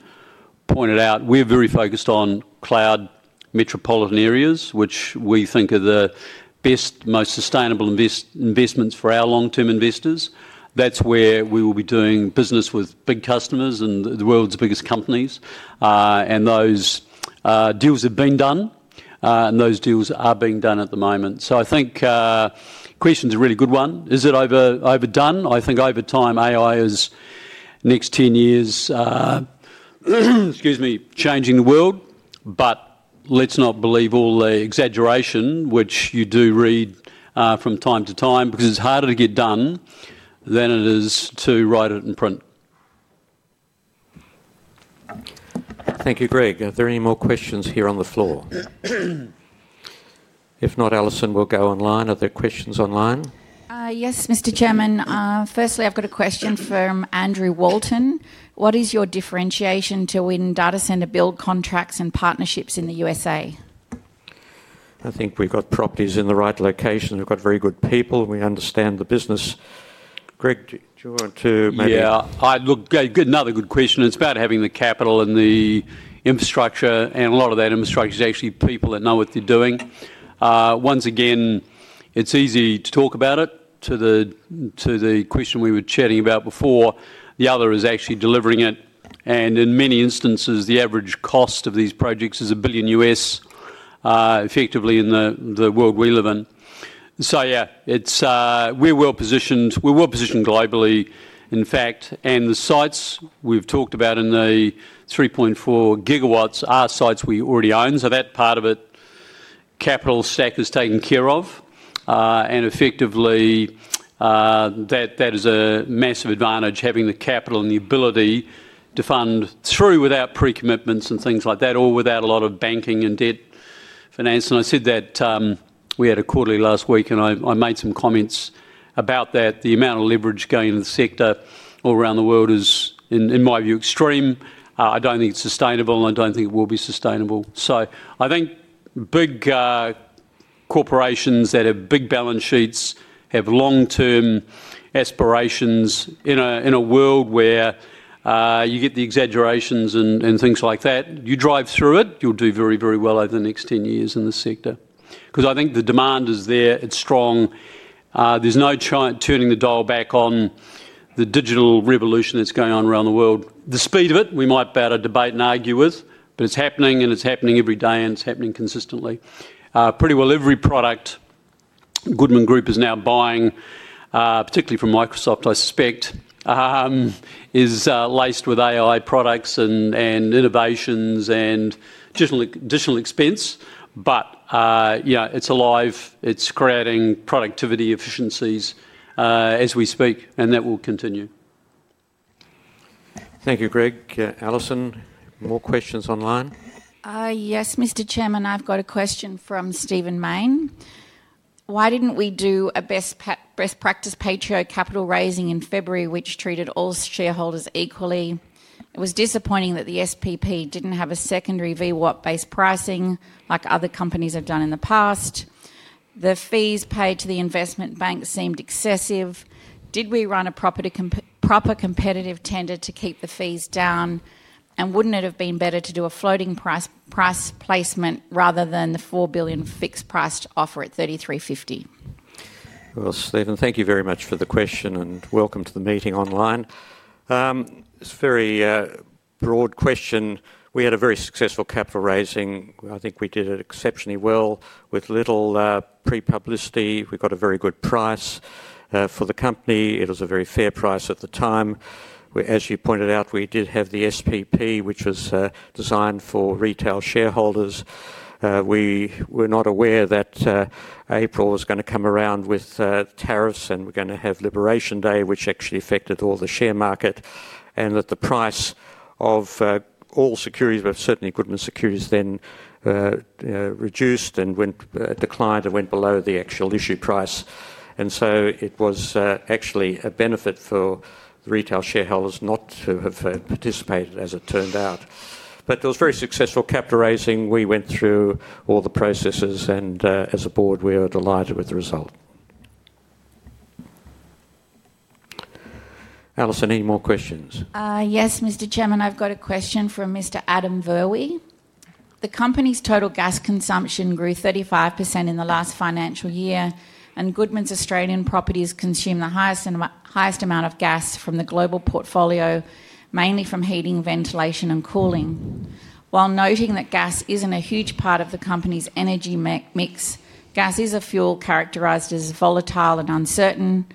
pointed out, we're very focused on cloud metropolitan areas, which we think are the best, most sustainable investments for our long-term investors. That's where we will be doing business with big customers and the world's biggest companies. Those deals have been done, and those deals are being done at the moment. I think the question's a really good one. Is it overdone? I think over time, AI is, next 10 years, excuse me, changing the world, but let's not believe all the exaggeration, which you do read from time to time, because it's harder to get done than it is to write it in print. Thank you, Greg. Are there any more questions here on the floor? If not, Alison will go online. Are there questions online? Yes, Mr. Chairman. Firstly, I've got a question from Andrew Walton. What is your differentiation to win data center build contracts and partnerships in the USA? I think we've got properties in the right location. We've got very good people. We understand the business. Greg, do you want to maybe? Yeah. Another good question. It's about having the capital and the infrastructure, and a lot of that infrastructure is actually people that know what they're doing. Once again, it's easy to talk about it. To the question we were chatting about before, the other is actually delivering it. In many instances, the average cost of these projects is 1 billion, effectively, in the world we live in. Yeah, we're well positioned. We're well positioned globally, in fact. The sites we've talked about in the 3.4 GW are sites we already own. That part of it, capital stack is taken care of. Effectively, that is a massive advantage, having the capital and the ability to fund through without pre-commitments and things like that, or without a lot of banking and debt finance. I said that we had a quarterly last week, and I made some comments about that. The amount of leverage going into the sector all around the world is, in my view, extreme. I do not think it is sustainable, and I do not think it will be sustainable. I think big corporations that have big balance sheets have long-term aspirations. In a world where you get the exaggerations and things like that, you drive through it, you will do very, very well over the next 10 years in the sector. I think the demand is there. It is strong. There is no turning the dial back on the digital revolution that is going on around the world. The speed of it, we might be able to debate and argue with, but it is happening, and it is happening every day, and it is happening consistently. Pretty well every product Goodman Group is now buying, particularly from Microsoft, I suspect, is laced with AI products and innovations and additional expense. It is alive. It is creating productivity efficiencies as we speak, and that will continue. Thank you, Greg. Alison, more questions online? Yes, Mr. Chairman. I've got a question from Stephen Mayne. Why didn't we do a best practice pro rata capital raising in February, which treated all shareholders equally? It was disappointing that the SPP didn't have a secondary VWAP-based pricing like other companies have done in the past. The fees paid to the investment bank seemed excessive. Did we run a proper competitive tender to keep the fees down? Wouldn't it have been better to do a floating price placement rather than the 4 billion fixed price offer at 33.50? Thank you very much for the question, and welcome to the meeting online. It's a very broad question. We had a very successful capital raising. I think we did it exceptionally well with little pre-publicity. We got a very good price for the company. It was a very fair price at the time. As you pointed out, we did have the SPP, which was designed for retail shareholders. We were not aware that April was going to come around with tariffs, and we were going to have Liberation Day, which actually affected all the share market, and that the price of all securities, but certainly Goodman securities, then reduced and declined and went below the actual issue price. It was actually a benefit for the retail shareholders not to have participated, as it turned out. It was a very successful capital raising. We went through all the processes, and as a board, we are delighted with the result. Alison, any more questions? Yes, Mr. Chairman. I've got a question from Mr. Adam Verwy. The company's total gas consumption grew 35% in the last financial year, and Goodman's Australian properties consume the highest amount of gas from the global portfolio, mainly from heating, ventilation, and cooling. While noting that gas isn't a huge part of the company's energy mix, gas is a fuel characterized as volatile and uncertain.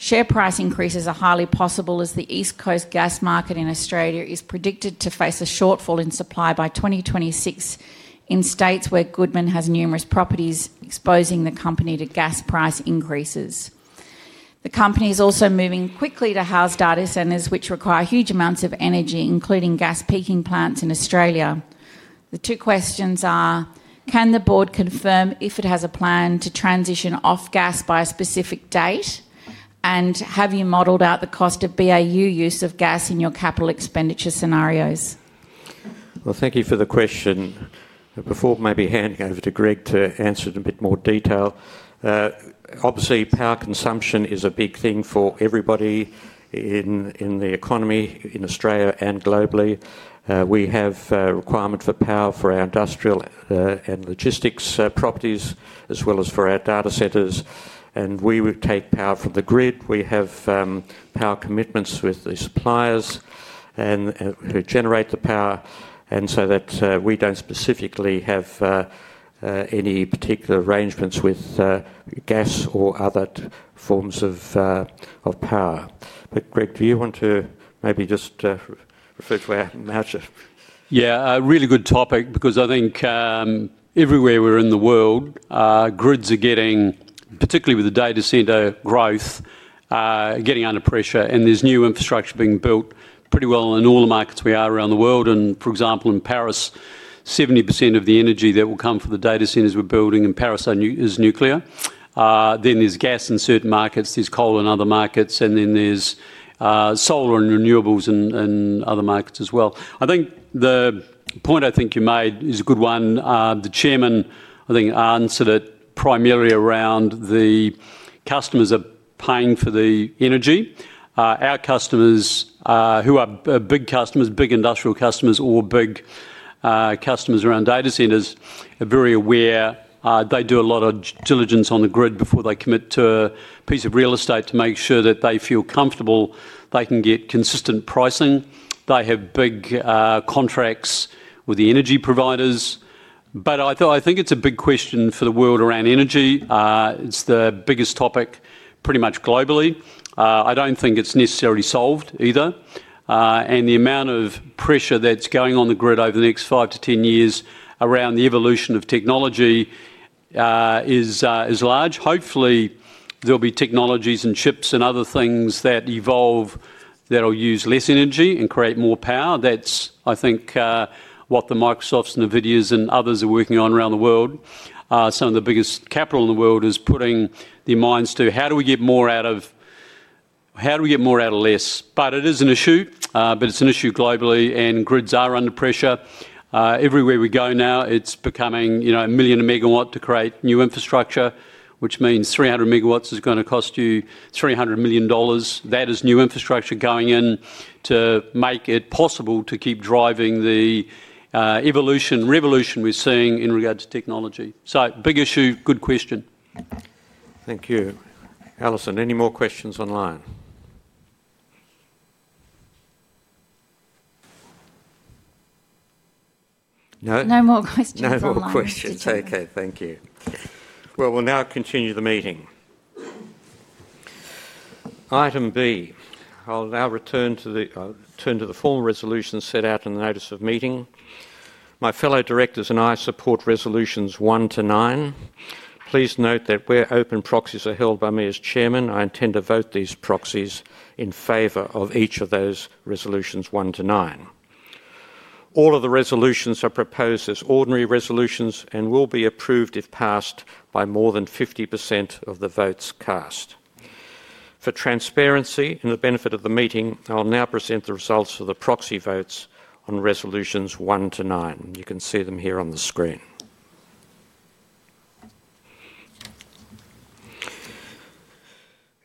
Share price increases are highly possible as the East Coast gas market in Australia is predicted to face a shortfall in supply by 2026 in states where Goodman has numerous properties, exposing the company to gas price increases. The company is also moving quickly to house data centers, which require huge amounts of energy, including gas peaking plants in Australia. The two questions are: Can the board confirm if it has a plan to transition off gas by a specific date? Have you modelled out the cost of BAU use of gas in your capital expenditure scenarios? Thank you for the question. Before maybe handing over to Greg to answer it in a bit more detail, obviously power consumption is a big thing for everybody in the economy in Australia and globally. We have a requirement for power for our industrial and logistics properties, as well as for our data centers. We would take power from the grid. We have power commitments with the suppliers who generate the power, and we do not specifically have any particular arrangements with gas or other forms of power. Greg, do you want to maybe just refer to our motif? Yeah, a really good topic, because I think everywhere we're in the world, grids are getting, particularly with the data center growth, getting under pressure, and there's new infrastructure being built pretty well in all the markets we are around the world. For example, in Paris, 70% of the energy that will come from the data centers we're building in Paris is nuclear. There's gas in certain markets, there's coal in other markets, and there's solar and renewables in other markets as well. I think the point I think you made is a good one. The Chairman, I think, answered it primarily around the customers are paying for the energy. Our customers, who are big customers, big industrial customers, or big customers around data centers, are very aware. They do a lot of diligence on the grid before they commit to a piece of real estate to make sure that they feel comfortable. They can get consistent pricing. They have big contracts with the energy providers. I think it's a big question for the world around energy. It's the biggest topic pretty much globally. I don't think it's necessarily solved either. The amount of pressure that's going on the grid over the next 5-10 years around the evolution of technology is large. Hopefully, there'll be technologies and chips and other things that evolve that'll use less energy and create more power. That's, I think, what the Microsofts and the NVIDIAs and others are working on around the world. Some of the biggest capital in the world is putting their minds to how do we get more out of less? It is an issue. It is an issue globally, and grids are under pressure. Everywhere we go now, it's becoming a million megawatt to create new infrastructure, which means 300 MW is going to cost you 300 million dollars. That is new infrastructure going in to make it possible to keep driving the evolution, revolution we're seeing in regards to technology. Big issue, good question. Thank you. Alison, any more questions online? No? No more questions. No more questions. Okay, thank you. We will now continue the meeting. Item B, I will now return to the formal resolution set out in the notice of meeting. My fellow directors and I support resolutions 1 to 9. Please note that where open proxies are held by me as Chairman, I intend to vote these proxies in favor of each of those resolutions 1 to 9. All of the resolutions are proposed as ordinary resolutions and will be approved if passed by more than 50% of the votes cast. For transparency and the benefit of the meeting, I will now present the results of the proxy votes on resolutions 1 to 9. You can see them here on the screen.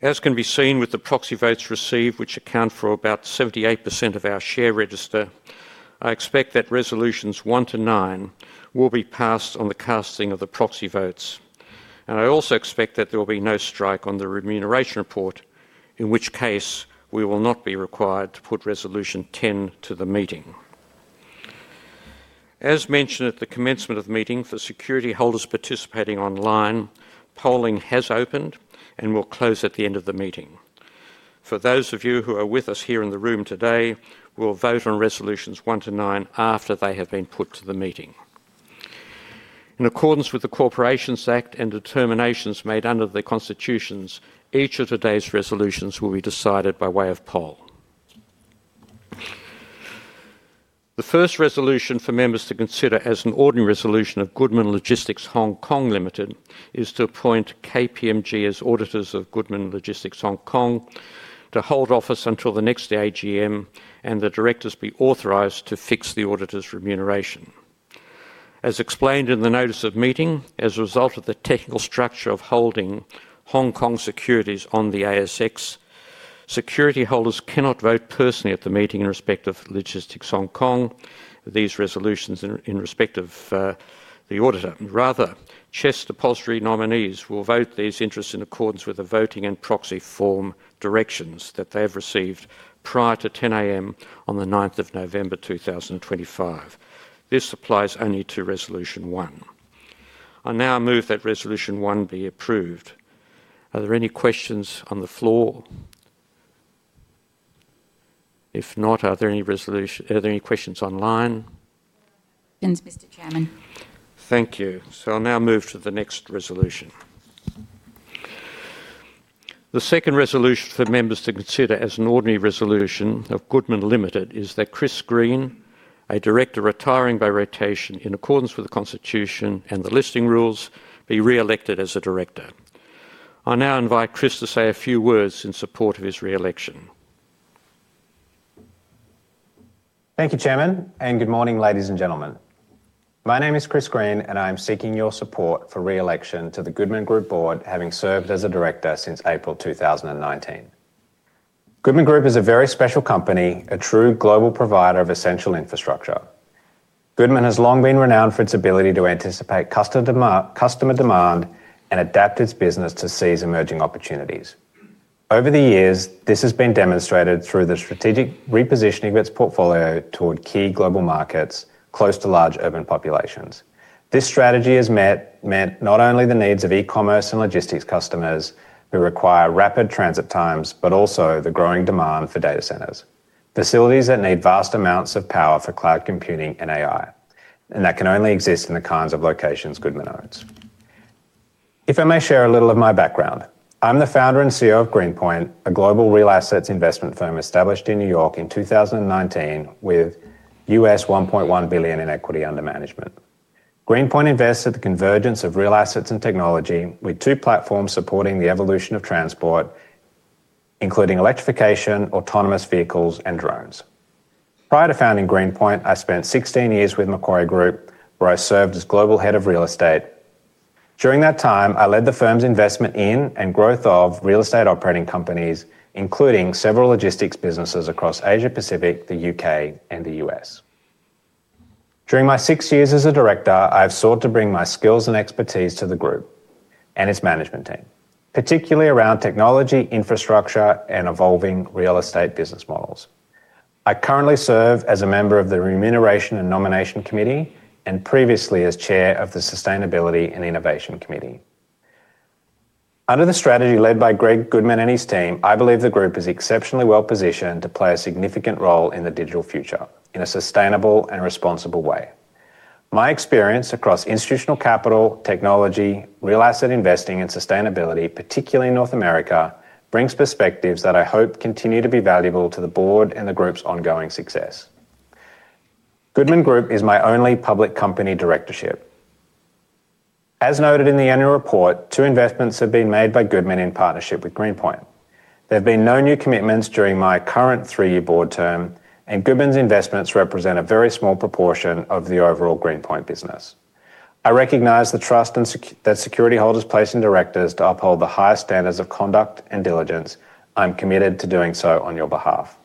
As can be seen with the proxy votes received, which account for about 78% of our share register, I expect that resolutions 1 to 9 will be passed on the casting of the proxy votes. I also expect that there will be no strike on the remuneration report, in which case we will not be required to put resolution 10 to the meeting. As mentioned at the commencement of the meeting, for security holders participating online, polling has opened and will close at the end of the meeting. For those of you who are with us here in the room today, we'll vote on resolutions 1 to 9 after they have been put to the meeting. In accordance with the Corporations Act and determinations made under the Constitutions, each of today's resolutions will be decided by way of poll. The first resolution for members to consider as an ordinary resolution of Goodman Logistics Hong Kong Limited is to appoint KPMG as auditors of Goodman Logistics Hong Kong to hold office until the next AGM, and the directors be authorized to fix the auditor's remuneration. As explained in the notice of meeting, as a result of the technical structure of holding Hong Kong securities on the ASX, security holders cannot vote personally at the meeting in respect of Logistics Hong Kong, these resolutions in respect of the auditor. Rather, Chess Depository nominees will vote these interests in accordance with the voting and proxy form directions that they have received prior to 10:00 A.M. on the 9th of November 2025. This applies only to resolution 1. I now move that resolution 1 be approved. Are there any questions on the floor? If not, are there any questions online? Thanks, Mr. Chairman. Thank you. I will now move to the next resolution. The second resolution for members to consider as an ordinary resolution of Goodman Limited is that Chris Green, a director retiring by rotation in accordance with the Constitution and the listing rules, be re-elected as a director. I now invite Chris to say a few words in support of his re-election. Thank you, Chairman, and good morning, ladies and gentlemen. My name is Chris Green, and I am seeking your support for re-election to the Goodman Group board, having served as a director since April 2019. Goodman Group is a very special company, a true global provider of essential infrastructure. Goodman has long been renowned for its ability to anticipate customer demand and adapt its business to seize emerging opportunities. Over the years, this has been demonstrated through the strategic repositioning of its portfolio toward key global markets close to large urban populations. This strategy has met not only the needs of e-commerce and logistics customers who require rapid transit times, but also the growing demand for data centers, facilities that need vast amounts of power for cloud computing and AI, and that can only exist in the kinds of locations Goodman owns. If I may share a little of my background, I'm the founder and CEO of Greenpoint, a global real assets investment firm established in New York in 2019 with 1.1 billion in equity under management. Greenpoint invests at the convergence of real assets and technology, with two platforms supporting the evolution of transport, including electrification, autonomous vehicles, and drones. Prior to founding Greenpoint, I spent 16 years with Macquarie Group, where I served as global head of real estate. During that time, I led the firm's investment in and growth of real estate operating companies, including several logistics businesses across Asia Pacific, the U.K., and the U.S. During my six years as a director, I have sought to bring my skills and expertise to the group and its management team, particularly around technology, infrastructure, and evolving real estate business models. I currently serve as a member of the Remuneration and Nomination Committee and previously as chair of the Sustainability and Innovation Committee. Under the strategy led by Greg Goodman and his team, I believe the group is exceptionally well positioned to play a significant role in the digital future in a sustainable and responsible way. My experience across institutional capital, technology, real asset investing, and sustainability, particularly in North America, brings perspectives that I hope continue to be valuable to the board and the group's ongoing success. Goodman Group is my only public company directorship. As noted in the annual report, two investments have been made by Goodman in partnership with Greenpoint. There have been no new commitments during my current three-year board term, and Goodman's investments represent a very small proportion of the overall Greenpoint business. I recognise the trust that security holders place in directors to uphold the highest standards of conduct and diligence. I'm committed to doing so on your behalf.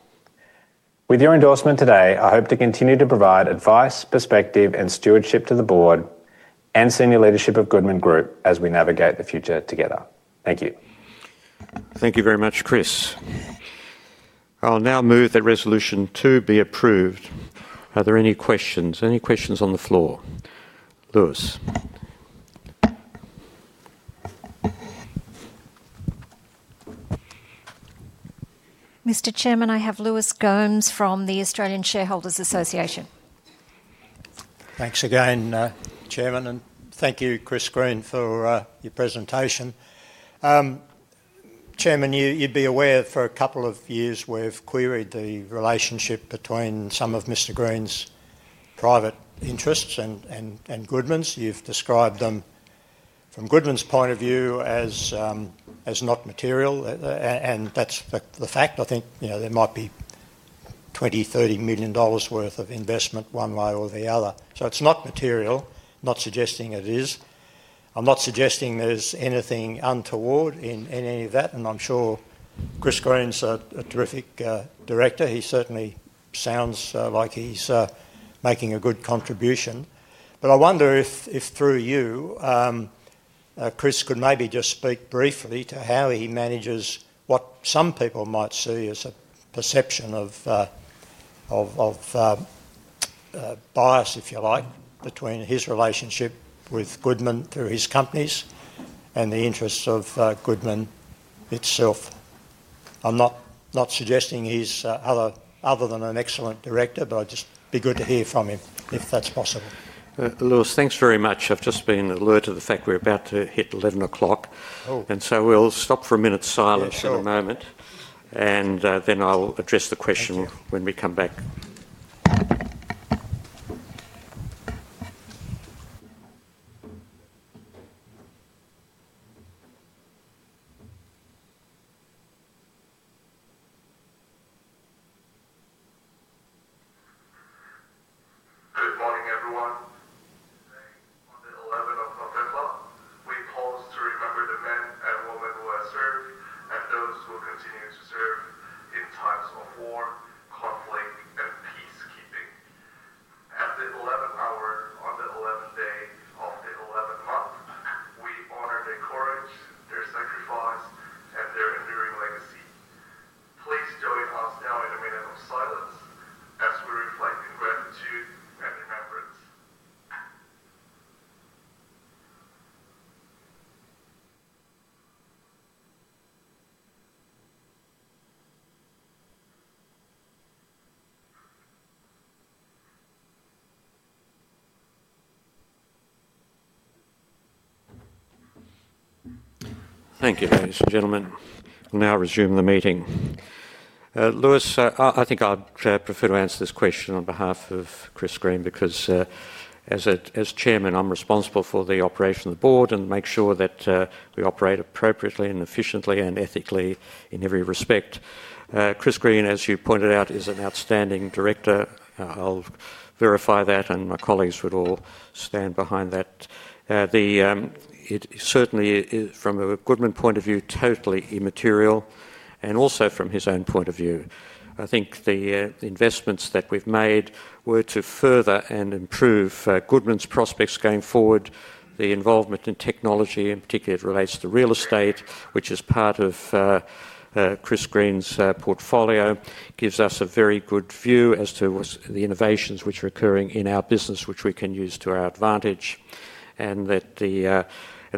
With your endorsement today, I hope to continue to provide advice, perspective, and stewardship to the Board and Senior Leadership of Goodman Group as we navigate the future together. Thank you. Thank you very much, Chris. I'll now move that resolution 2 be approved. Are there any questions? Any questions on the floor? Lewis. Mr. Chairman, I have Lewis Gomes from the Australian Shareholders Association. Thanks again, Chairman, and thank you, Chris Green, for your presentation. Chairman, you'd be aware for a couple of years we've queried the relationship between some of Mr. Green's private interests and Goodman's. You've described them from Goodman's point of view as not material, and that's the fact. I think there might be 20 million, 30 million dollars worth of investment one way or the other. So it's not material. I'm not suggesting it is. I'm not suggesting there's anything untoward in any of that, and I'm sure Chris Green's a terrific director. He certainly sounds like he's making a good contribution. I wonder if through you, Chris, could maybe just speak briefly to how he manages what some people might see as a perception of bias, if you like, between his relationship with Goodman through his companies and the interests of Goodman itself. I'm not suggesting he's other than an excellent director, but it'd just be good to hear from him if that's possible. Lewis, thanks very much. I've just been alerted of the fact we're about to hit 11:00 A.M., and so we'll stop for a minute's silence in a moment, and then I'll address the question when we come back. Good morning, everyone. Today, on the 11th of November, we pause to remember the men and women who have served and those who continue to serve in times of war, conflict, and peacekeeping. At the 11th hour on the 11th day of the 11th month, we honor their courage, their sacrifice, and their enduring legacy. Please join us now in a minute of silence as we reflect in gratitude and remembrance. Thank you, ladies and gentlemen. We'll now resume the meeting. Lewis, I think I'd prefer to answer this question on behalf of Chris Green because, as Chairman, I'm responsible for the operation of the board and make sure that we operate appropriately and efficiently and ethically in every respect. Chris Green, as you pointed out, is an outstanding director. I'll verify that, and my colleagues would all stand behind that. It certainly, from a Goodman point of view, is totally immaterial, and also from his own point of view. I think the investments that we've made were to further and improve Goodman's prospects going forward. The involvement in technology, in particular, relates to real estate, which is part of Chris Green's portfolio, gives us a very good view as to the innovations which are occurring in our business, which we can use to our advantage.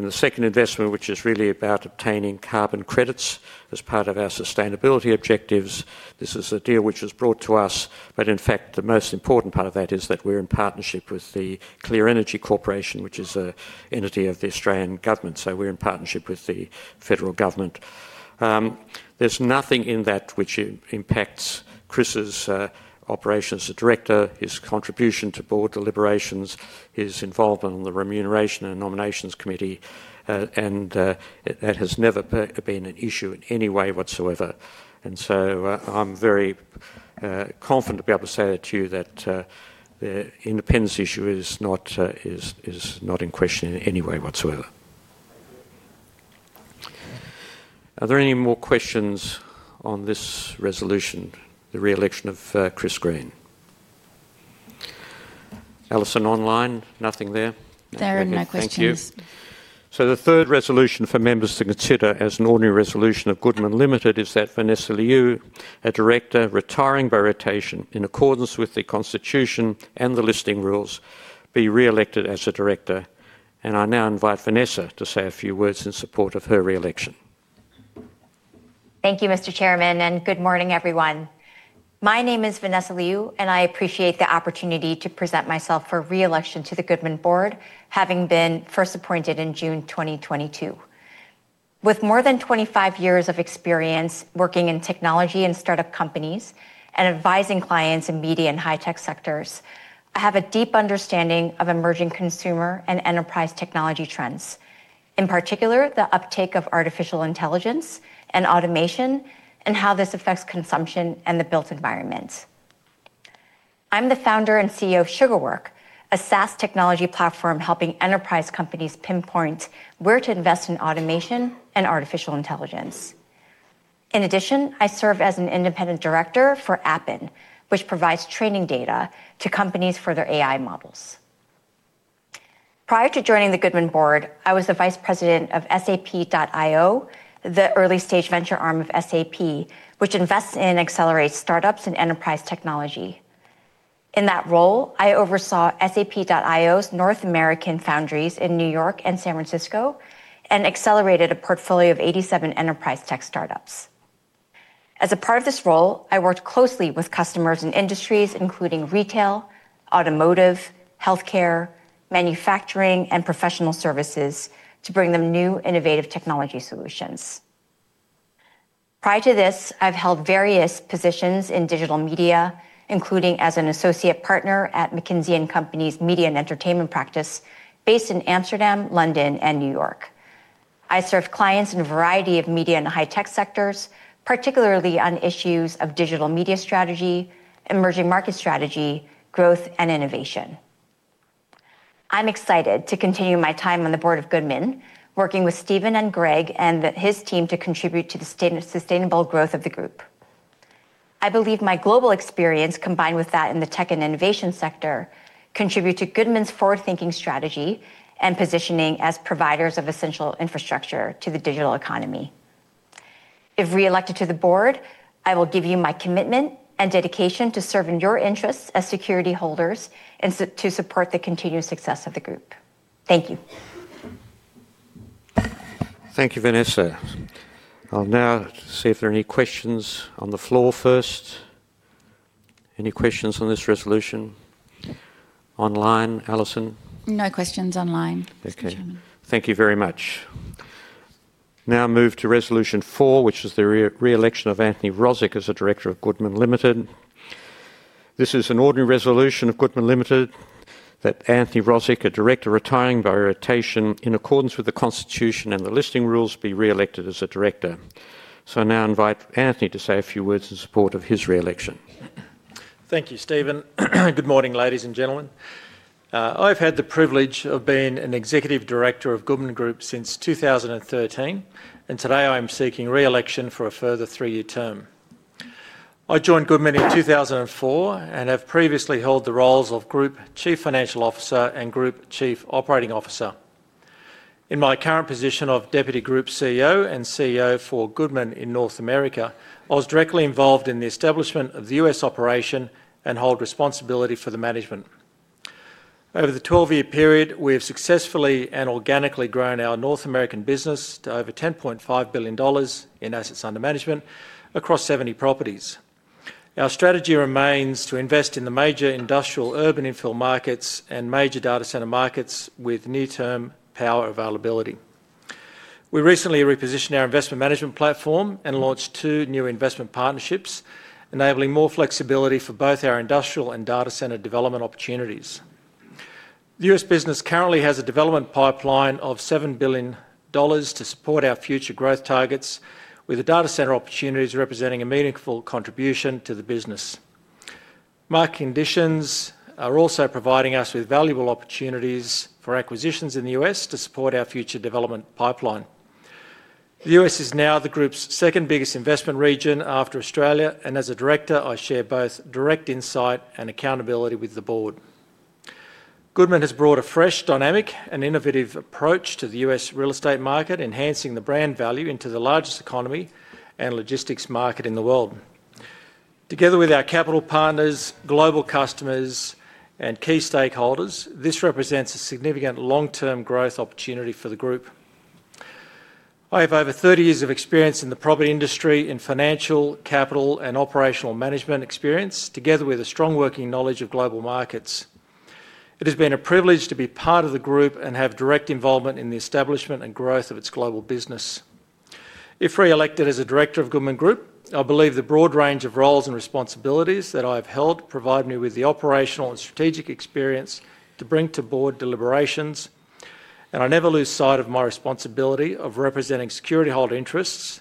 The second investment, which is really about obtaining carbon credits as part of our sustainability objectives, this is a deal which was brought to us, but in fact, the most important part of that is that we're in partnership with the Clear Energy Corporation, which is an entity of the Australian government. We are in partnership with the federal government. There is nothing in that which impacts Chris's operations as a director, his contribution to board deliberations, his involvement on the Remuneration and Nominations Committee, and that has never been an issue in any way whatsoever. I am very confident to be able to say to you that the independence issue is not in question in any way whatsoever. Are there any more questions on this resolution, the re-election of Chris Green? Alison online? Nothing there? There are no questions. Thank you. The third resolution for members to consider as an ordinary resolution of Goodman Limited is that Vanessa Liu, a director retiring by rotation in accordance with the Constitution and the listing rules, be re-elected as a director. I now invite Vanessa to say a few words in support of her re-election. Thank you, Mr. Chairman, and good morning, everyone. My name is Vanessa Liu, and I appreciate the opportunity to present myself for re-election to the Goodman board, having been first appointed in June 2022. With more than 25 years of experience working in technology and startup companies and advising clients in media and high-tech sectors, I have a deep understanding of emerging consumer and enterprise technology trends, in particular the uptake of artificial intelligence and automation and how this affects consumption and the built environment. I'm the founder and CEO of SugarWork, a SaaS technology platform helping enterprise companies pinpoint where to invest in automation and artificial intelligence. In addition, I serve as an independent director for Appen, which provides training data to companies for their AI models. Prior to joining the Goodman board, I was the Vice President of SAP.io, the early-stage venture arm of SAP, which invests in and accelerates startups and enterprise technology. In that role, I oversaw SAP.io's North American foundries in New York and San Francisco and accelerated a portfolio of 87 enterprise tech startups. As a part of this role, I worked closely with customers in industries including retail, automotive, healthcare, manufacturing, and professional services to bring them new innovative technology solutions. Prior to this, I've held various positions in digital media, including as an associate partner at McKinsey & Company's media and entertainment practice based in Amsterdam, London, and New York. I serve clients in a variety of media and high-tech sectors, particularly on issues of digital media strategy, emerging market strategy, growth, and innovation. I'm excited to continue my time on the board of Goodman, working with Stephen and Greg and his team to contribute to the sustainable growth of the group. I believe my global experience, combined with that in the tech and innovation sector, contribute to Goodman's forward-thinking strategy and positioning as providers of essential infrastructure to the digital economy. If re-elected to the board, I will give you my commitment and dedication to serving your interests as security holders and to support the continued success of the group. Thank you. Thank you, Vanessa. I'll now see if there are any questions on the floor first. Any questions on this resolution? Online, Alison? No questions online. Okay. Thank you very much. Now move to resolution 4, which is the re-election of Anthony Rozic as a director of Goodman Limited. This is an ordinary resolution of Goodman Limited that Anthony Rozic, a director retiring by rotation in accordance with the Constitution and the listing rules, be re-elected as a director. So I now invite Anthony to say a few words in support of his re-election. Thank you, Steven. Good morning, ladies and gentlemen. I've had the privilege of being an executive director of Goodman Group since 2013, and today I am seeking re-election for a further three-year term. I joined Goodman in 2004 and have previously held the roles of Group Chief Financial Officer and Group Chief Operating Officer. In my current position of Deputy Group CEO and CEO for Goodman in North America, I was directly involved in the establishment of the US operation and hold responsibility for the management. Over the 12-year period, we have successfully and organically grown our North American business to over 10.5 billion dollars in assets under management across 70 properties. Our strategy remains to invest in the major industrial urban infill markets and major data center markets with near-term power availability. We recently repositioned our investment management platform and launched two new investment partnerships, enabling more flexibility for both our industrial and data center development opportunities. The US business currently has a development pipeline of 7 billion dollars to support our future growth targets, with the data center opportunities representing a meaningful contribution to the business. Market conditions are also providing us with valuable opportunities for acquisitions in the US to support our future development pipeline. The US is now the group's second biggest investment region after Australia, and as a director, I share both direct insight and accountability with the board. Goodman has brought a fresh, dynamic, and innovative approach to the US real estate market, enhancing the brand value into the largest economy and logistics market in the world. Together with our capital partners, global customers, and key stakeholders, this represents a significant long-term growth opportunity for the group. I have over 30 years of experience in the property industry in financial, capital, and operational management experience, together with a strong working knowledge of global markets. It has been a privilege to be part of the group and have direct involvement in the establishment and growth of its global business. If re-elected as a Director of Goodman Group, I believe the broad range of roles and responsibilities that I have held provide me with the operational and strategic experience to bring to board deliberations, and I never lose sight of my responsibility of representing security-held interests,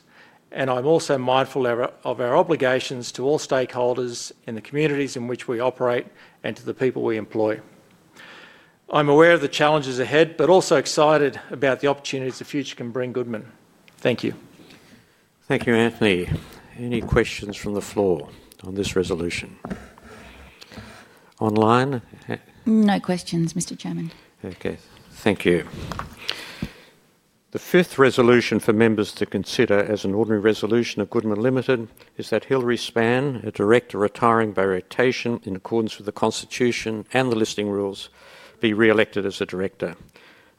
and I'm also mindful of our obligations to all stakeholders in the communities in which we operate and to the people we employ. I'm aware of the challenges ahead, but also excited about the opportunities the future can bring Goodman. Thank you. Thank you, Anthony. Any questions from the floor on this resolution? Online? No questions, Mr. Chairman. Okay. Thank you. The fifth resolution for members to consider as an ordinary resolution of Goodman Limited is that Hilary Spann, a director retiring by rotation in accordance with the Constitution and the listing rules, be re-elected as a director.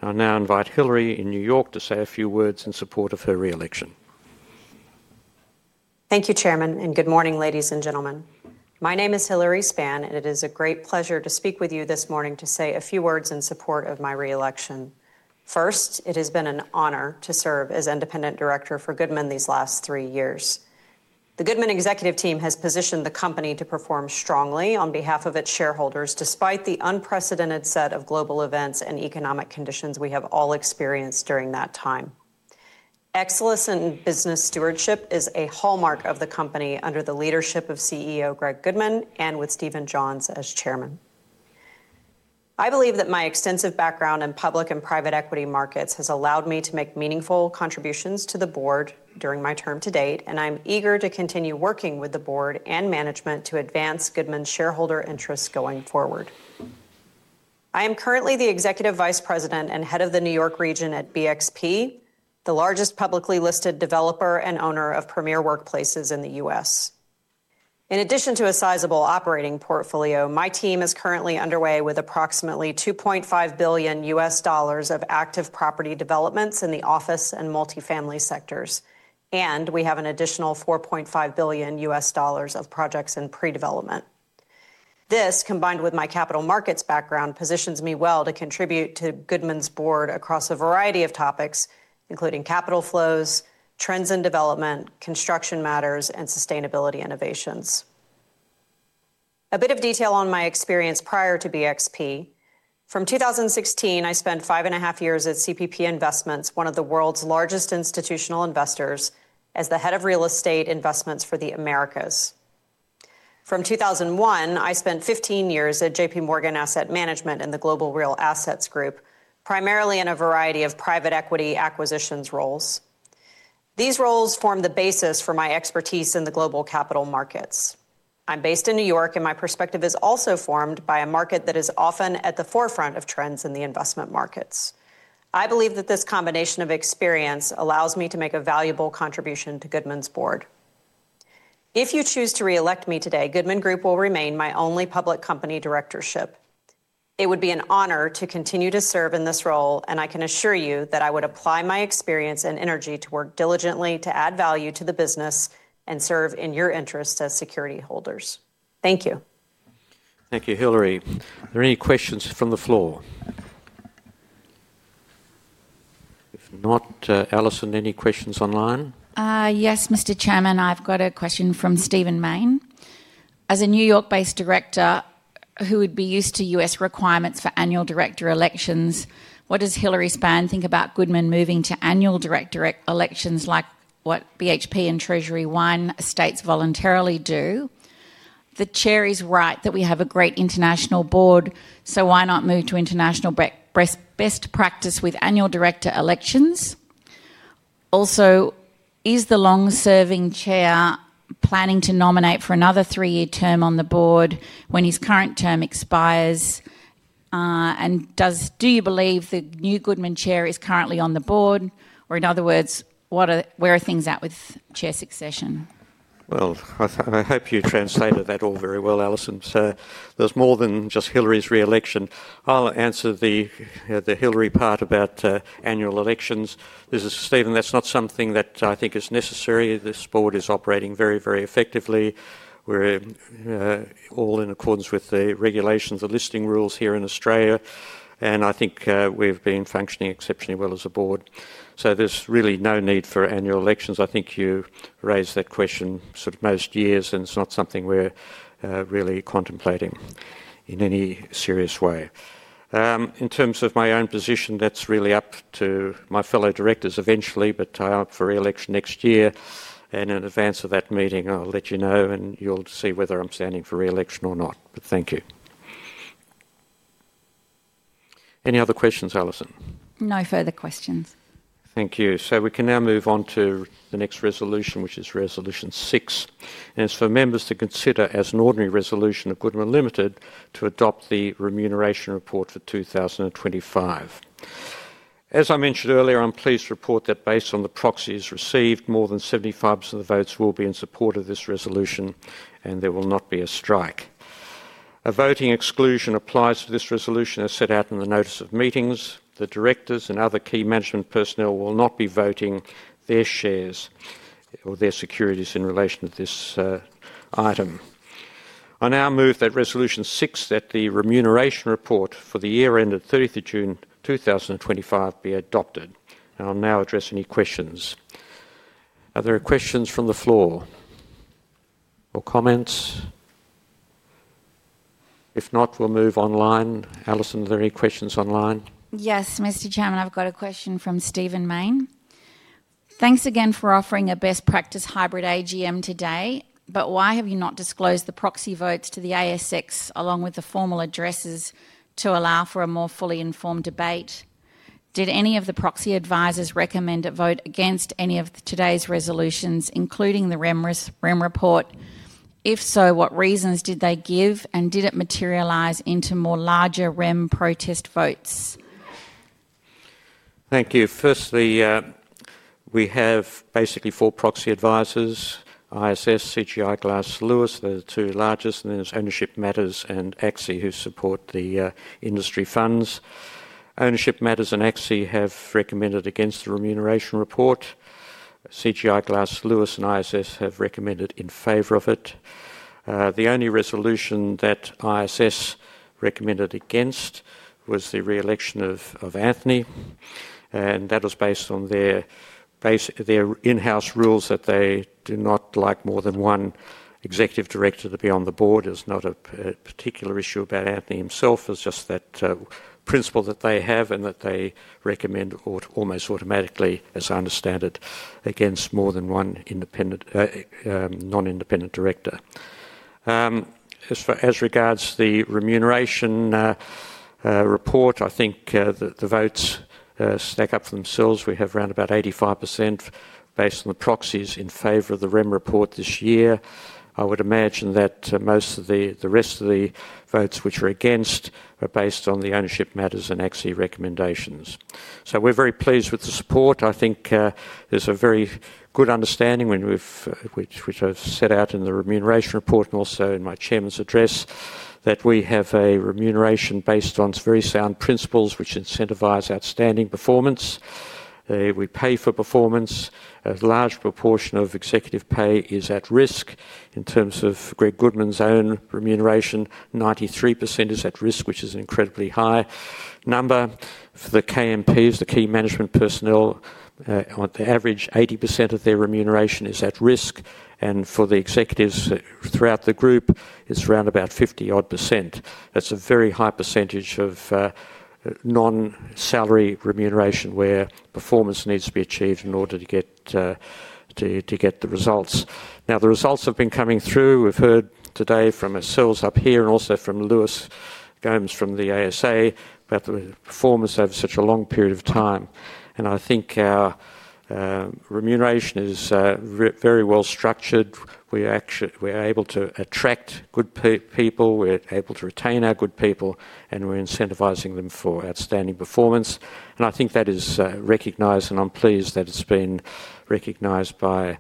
I'll now invite Hilary in New York to say a few words in support of her re-election. Thank you, Chairman, and good morning, ladies and gentlemen. My name is Hilary Spann, and it is a great pleasure to speak with you this morning to say a few words in support of my re-election. First, it has been an honor to serve as independent director for Goodman these last three years. The Goodman executive team has positioned the company to perform strongly on behalf of its shareholders, despite the unprecedented set of global events and economic conditions we have all experienced during that time. Excellence in business stewardship is a hallmark of the company under the leadership of CEO Greg Goodman and with Stephen Johns as Chairman. I believe that my extensive background in public and private equity markets has allowed me to make meaningful contributions to the board during my term to date, and I'm eager to continue working with the board and management to advance Goodman's shareholder interests going forward. I am currently the Executive Vice President and Head of the New York region at BXP, the largest publicly listed developer and owner of premier workplaces in the US. In addition to a sizable operating portfolio, my team is currently underway with approximately AUD 2.5 billion of active property developments in the office and multifamily sectors, and we have an additional AUD 4.5 billion of projects in pre-development. This, combined with my capital markets background, positions me well to contribute to Goodman's board across a variety of topics, including capital flows, trends in development, construction matters, and sustainability innovations. A bit of detail on my experience prior to BXP: from 2016, I spent five and a half years at CPP Investments, one of the world's largest institutional investors, as the head of real estate investments for the Americas. From 2001, I spent 15 years at JPMorgan Asset Management and the Global Real Assets Group, primarily in a variety of private equity acquisitions roles. These roles form the basis for my expertise in the global capital markets. I'm based in New York, and my perspective is also formed by a market that is often at the forefront of trends in the investment markets. I believe that this combination of experience allows me to make a valuable contribution to Goodman's board. If you choose to re-elect me today, Goodman Group will remain my only public company directorship. It would be an honor to continue to serve in this role, and I can assure you that I would apply my experience and energy to work diligently to add value to the business and serve in your interests as security holders. Thank you. Thank you, Hilary. Are there any questions from the floor? If not, Alison, any questions online? Yes, Mr. Chairman. I've got a question from Stephen Mayne. As a New York-based director who would be used to U.S. requirements for annual director elections, what does Hilary Spann think about Goodman moving to annual director elections like what BHP and Treasury One states voluntarily do? The Chair is right that we have a great international board, so why not move to international best practice with annual director elections? Also, is the long-serving Chair planning to nominate for another three-year term on the board when his current term expires? Do you believe the new Goodman Chair is currently on the board? In other words, where are things at with chair succession? I hope you translated that all very well, Alison. There's more than just Hilary's re-election. I'll answer the Hilary part about annual elections. Steven, that's not something that I think is necessary. This board is operating very, very effectively. We're all in accordance with the regulations, the listing rules here in Australia, and I think we've been functioning exceptionally well as a board. There's really no need for annual elections. I think you raised that question most years, and it's not something we're really contemplating in any serious way. In terms of my own position, that's really up to my fellow directors eventually, but I hope for re-election next year. In advance of that meeting, I'll let you know, and you'll see whether I'm standing for re-election or not. Thank you. Any other questions, Alison? No further questions. Thank you. We can now move on to the next resolution, which is resolution 6. It is for members to consider as an ordinary resolution of Goodman Limited to adopt the remuneration report for 2025. As I mentioned earlier, I am pleased to report that based on the proxies received, more than 75% of the votes will be in support of this resolution, and there will not be a strike. A voting exclusion applies to this resolution as set out in the notice of meetings. The directors and other key management personnel will not be voting their shares or their securities in relation to this item. I now move that resolution 6, that the remuneration report for the year ended 30th of June 2025, be adopted. I will now address any questions. Are there questions from the floor or comments? If not, we will move online. Alison, are there any questions online? Yes, Mr. Chairman. I've got a question from Stephen Mayne. Thanks again for offering a best practice hybrid AGM today, but why have you not disclosed the proxy votes to the ASX along with the formal addresses to allow for a more fully informed debate? Did any of the proxy advisors recommend a vote against any of today's resolutions, including the REM report? If so, what reasons did they give, and did it materialize into more larger REM protest votes? Thank you. Firstly, we have basically four proxy advisors: ISS, CGI, Glass Lewis, the two largest, and then there's Ownership Matters and AXI, who support the industry funds. Ownership Matters and AXI have recommended against the remuneration report. CGI, Glass Lewis, and ISS have recommended in favor of it. The only resolution that ISS recommended against was the re-election of Anthony, and that was based on their in-house rules that they do not like more than one executive director to be on the board. There's not a particular issue about Anthony himself. It's just that principle that they have and that they recommend almost automatically, as I understand it, against more than one non-independent director. As regards the remuneration report, I think the votes stack up for themselves. We have around about 85% based on the proxies in favor of the REM report this year. I would imagine that most of the rest of the votes which are against are based on the Ownership Matters and AXI recommendations. We are very pleased with the support. I think there is a very good understanding which I have set out in the remuneration report and also in my Chairman's address that we have a remuneration based on very sound principles which incentivize outstanding performance. We pay for performance. A large proportion of executive pay is at risk. In terms of Greg Goodman's own remuneration, 93% is at risk, which is an incredibly high number. For the KMPs, the key management personnel, on average, 80% of their remuneration is at risk. For the executives throughout the group, it is around about 50-odd percent. That is a very high percentage of non-salary remuneration where performance needs to be achieved in order to get the results. Now, the results have been coming through. We've heard today from ourselves up here and also from Lewis Gomes from the ASA about the performance over such a long period of time. I think our remuneration is very well structured. We're able to attract good people. We're able to retain our good people, and we're incentivizing them for outstanding performance. I think that is recognized, and I'm pleased that it's been recognized by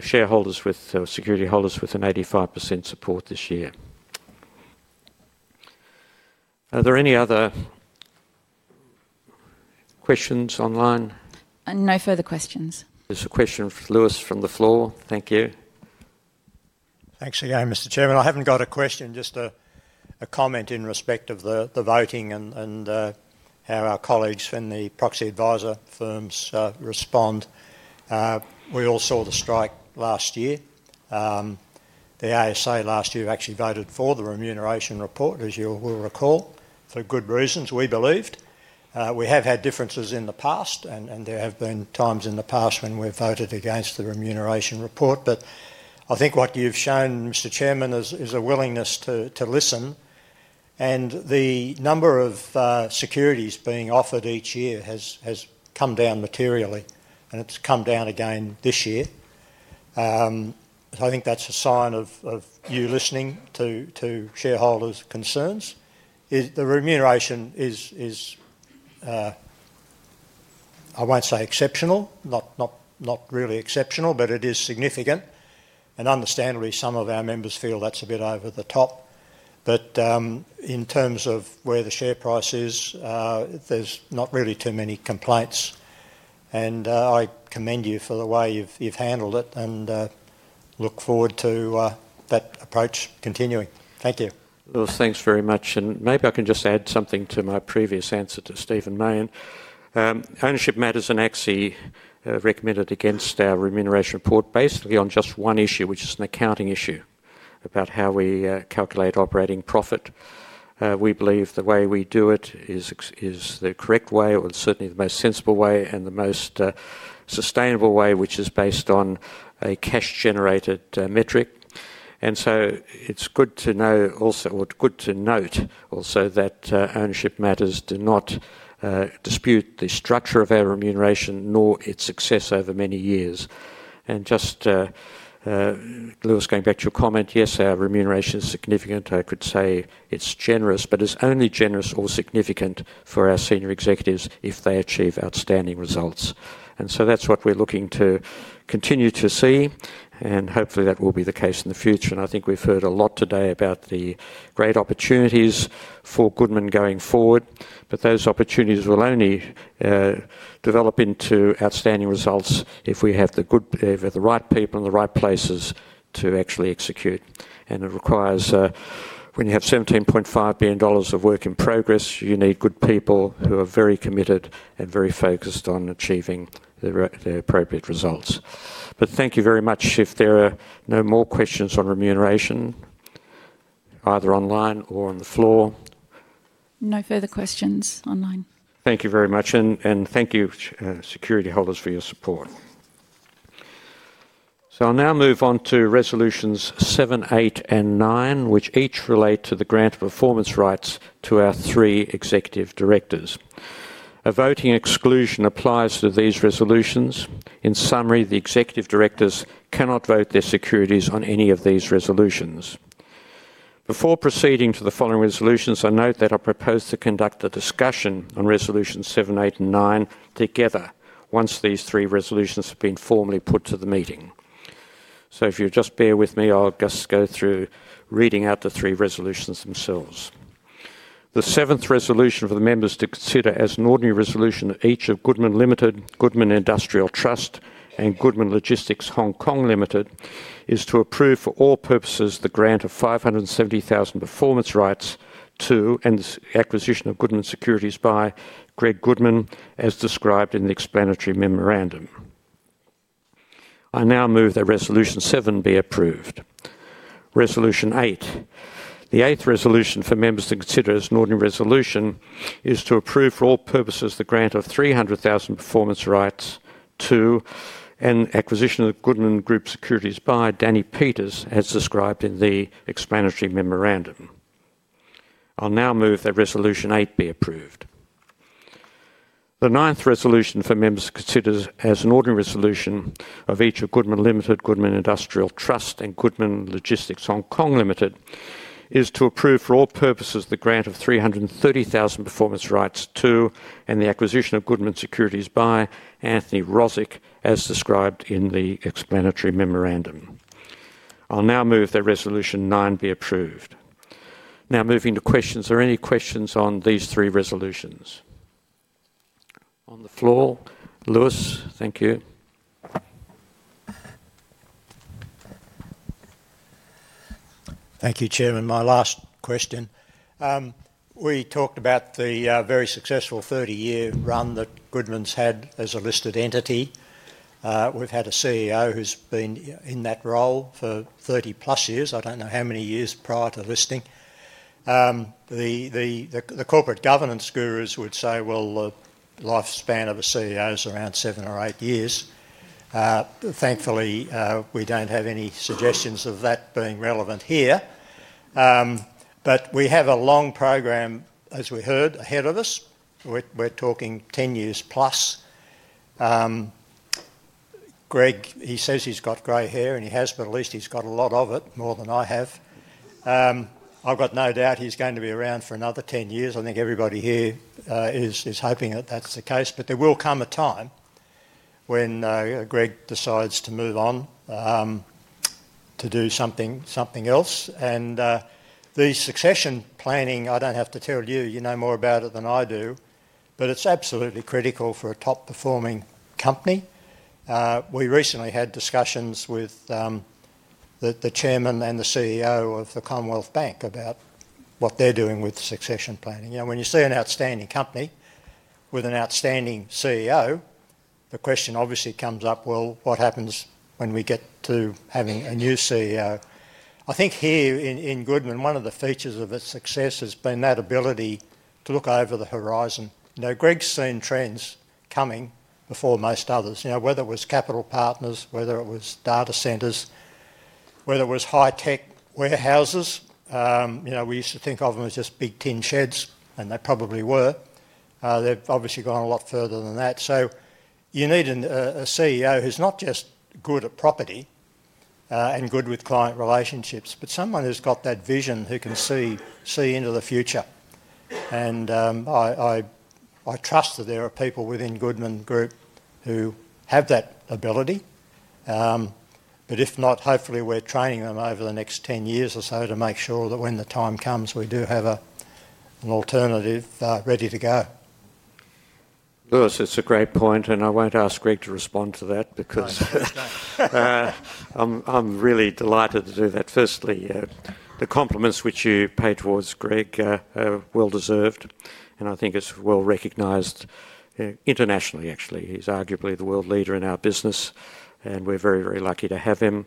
shareholders with security holders with an 85% support this year. Are there any other questions online? No further questions. There's a question from Lewis from the floor. Thank you. Thanks again, Mr. Chairman. I haven't got a question, just a comment in respect of the voting and how our colleagues in the proxy advisor firms respond. We all saw the strike last year. The ASA last year actually voted for the remuneration report, as you will recall, for good reasons. We believed. We have had differences in the past, and there have been times in the past when we've voted against the remuneration report. I think what you've shown, Mr. Chairman, is a willingness to listen. The number of securities being offered each year has come down materially, and it's come down again this year. I think that's a sign of you listening to shareholders' concerns. The remuneration is, I won't say exceptional, not really exceptional, but it is significant. Understandably, some of our members feel that's a bit over the top. In terms of where the share price is, there's not really too many complaints. I commend you for the way you've handled it and look forward to that approach continuing. Thank you. Lewis, thanks very much. Maybe I can just add something to my previous answer to Stephen Mayne. Ownership Matters and AXI recommended against our remuneration report basically on just one issue, which is an accounting issue about how we calculate operating profit. We believe the way we do it is the correct way or certainly the most sensible way and the most sustainable way, which is based on a cash-generated metric. It is good to know also or good to note also that Ownership Matters do not dispute the structure of our remuneration nor its success over many years. Just, Lewis, going back to your comment, yes, our remuneration is significant. I could say it is generous, but it is only generous or significant for our senior executives if they achieve outstanding results. That is what we are looking to continue to see, and hopefully that will be the case in the future. I think we have heard a lot today about the great opportunities for Goodman going forward, but those opportunities will only develop into outstanding results if we have the right people in the right places to actually execute. It requires, when you have 17.5 billion dollars of work in progress, you need good people who are very committed and very focused on achieving the appropriate results. Thank you very much. If there are no more questions on remuneration, either online or on the floor. No further questions online. Thank you very much, and thank you, security holders, for your support. I will now move on to resolutions 7, 8, and 9, which each relate to the grant of performance rights to our three executive directors. A voting exclusion applies to these resolutions. In summary, the Executive Directors cannot vote their securities on any of these resolutions. Before proceeding to the following resolutions, I note that I propose to conduct a discussion on resolutions 7, 8, and 9 together once these three resolutions have been formally put to the meeting. If you'll just bear with me, I'll just go through reading out the three resolutions themselves. The seventh resolution for the members to consider as an ordinary resolution of each of Goodman Limited, Goodman Industrial Trust, and Goodman Logistics Hong Kong Limited is to approve for all purposes the grant of 570,000 performance rights to and the acquisition of Goodman securities by Greg Goodman, as described in the explanatory memorandum. I now move that resolution 7 be approved. Resolution 8. The eighth resolution for members to consider as an ordinary resolution is to approve for all purposes the grant of 300,000 performance rights to and acquisition of Goodman Group securities by Danny Peeters, as described in the explanatory memorandum. I'll now move that resolution 8 be approved. The ninth resolution for members to consider as an ordinary resolution of each of Goodman Limited, Goodman Industrial Trust, and Goodman Logistics Hong Kong Limited is to approve for all purposes the grant of 330,000 performance rights to and the acquisition of Goodman securities by Anthony Rozic, as described in the explanatory memorandum. I'll now move that resolution 9 be approved. Now moving to questions. Are there any questions on these three resolutions? On the floor, Lewis. Thank you. Thank you, Chairman. My last question. We talked about the very successful 30-year run that Goodman's had as a listed entity. We've had a CEO who's been in that role for 30-plus years. I don't know how many years prior to listing. The corporate governance gurus would say, well, the lifespan of a CEO is around seven or eight years. Thankfully, we don't have any suggestions of that being relevant here. We have a long program, as we heard, ahead of us. We're talking 10 years plus. Greg, he says he's got gray hair, and he has, but at least he's got a lot of it, more than I have. I've got no doubt he's going to be around for another 10 years. I think everybody here is hoping that that's the case. There will come a time when Greg decides to move on to do something else. The succession planning, I don't have to tell you. You know more about it than I do, but it's absolutely critical for a top-performing company. We recently had discussions with the Chairman and the CEO of the Commonwealth Bank about what they're doing with succession planning. When you see an outstanding company with an outstanding CEO, the question obviously comes up, what happens when we get to having a new CEO? I think here in Goodman, one of the features of its success has been that ability to look over the horizon. Greg's seen trends coming before most others. Whether it was Capital Partners, whether it was data centers, whether it was high-tech warehouses, we used to think of them as just big tin sheds, and they probably were. They've obviously gone a lot further than that. You need a CEO who's not just good at property and good with client relationships, but someone who's got that vision who can see into the future. I trust that there are people within Goodman Group who have that ability. If not, hopefully we're training them over the next 10 years or so to make sure that when the time comes, we do have an alternative ready to go. Lewis, it's a great point, and I won't ask Greg to respond to that because I'm really delighted to do that. Firstly, the compliments which you paid towards Greg are well-deserved, and I think it's well recognized internationally, actually. He's arguably the world leader in our business, and we're very, very lucky to have him.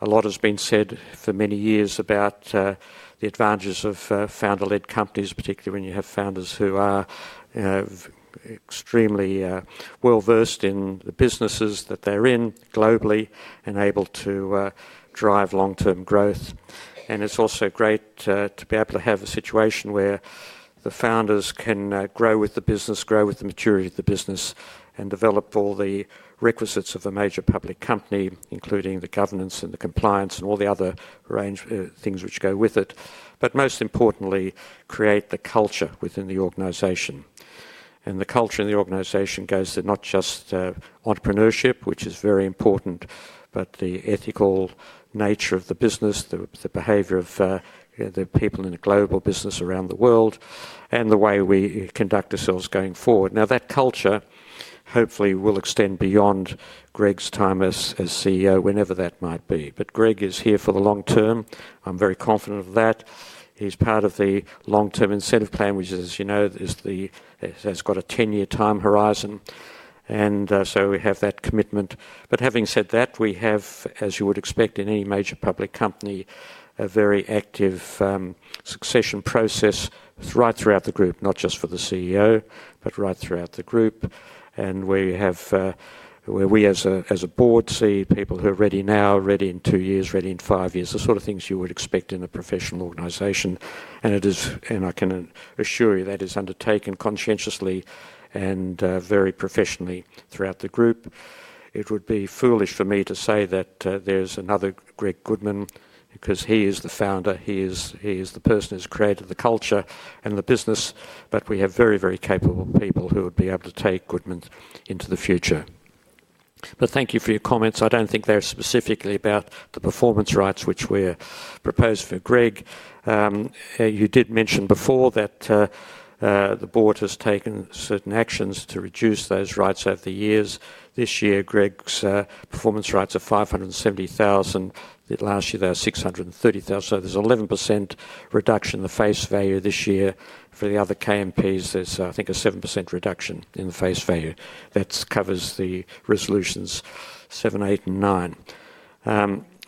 A lot has been said for many years about the advantages of founder-led companies, particularly when you have founders who are extremely well-versed in the businesses that they're in globally and able to drive long-term growth. It's also great to be able to have a situation where the founders can grow with the business, grow with the maturity of the business, and develop all the requisites of a major public company, including the governance and the compliance and all the other things which go with it. But most importantly, create the culture within the organization. The culture in the organization goes to not just entrepreneurship, which is very important, but the ethical nature of the business, the behavior of the people in the global business around the world, and the way we conduct ourselves going forward. That culture hopefully will extend beyond Greg's time as CEO, whenever that might be. Greg is here for the long-term. I'm very confident of that. He's part of the long-term incentive plan, which, as you know, has got a 10-year time horizon. We have that commitment. Having said that, we have, as you would expect in any major public company, a very active succession process right throughout the group, not just for the CEO, but right throughout the group. Where we, as a board, see people who are ready now, ready in two years, ready in five years, the sort of things you would expect in a professional organization. I can assure you that is undertaken conscientiously and very professionally throughout the group. It would be foolish for me to say that there is another Greg Goodman because he is the founder. He is the person who has created the culture and the business, but we have very, very capable people who would be able to take Goodman into the future. Thank you for your comments. I do not think they are specifically about the performance rights which were proposed for Greg. You did mention before that the board has taken certain actions to reduce those rights over the years. This year, Greg's performance rights are 570,000. Last year, they were 630,000. There is an 11% reduction in the face value this year. For the other KMPs, there is, I think, a 7% reduction in the face value. That covers resolutions 7, 8, and 9.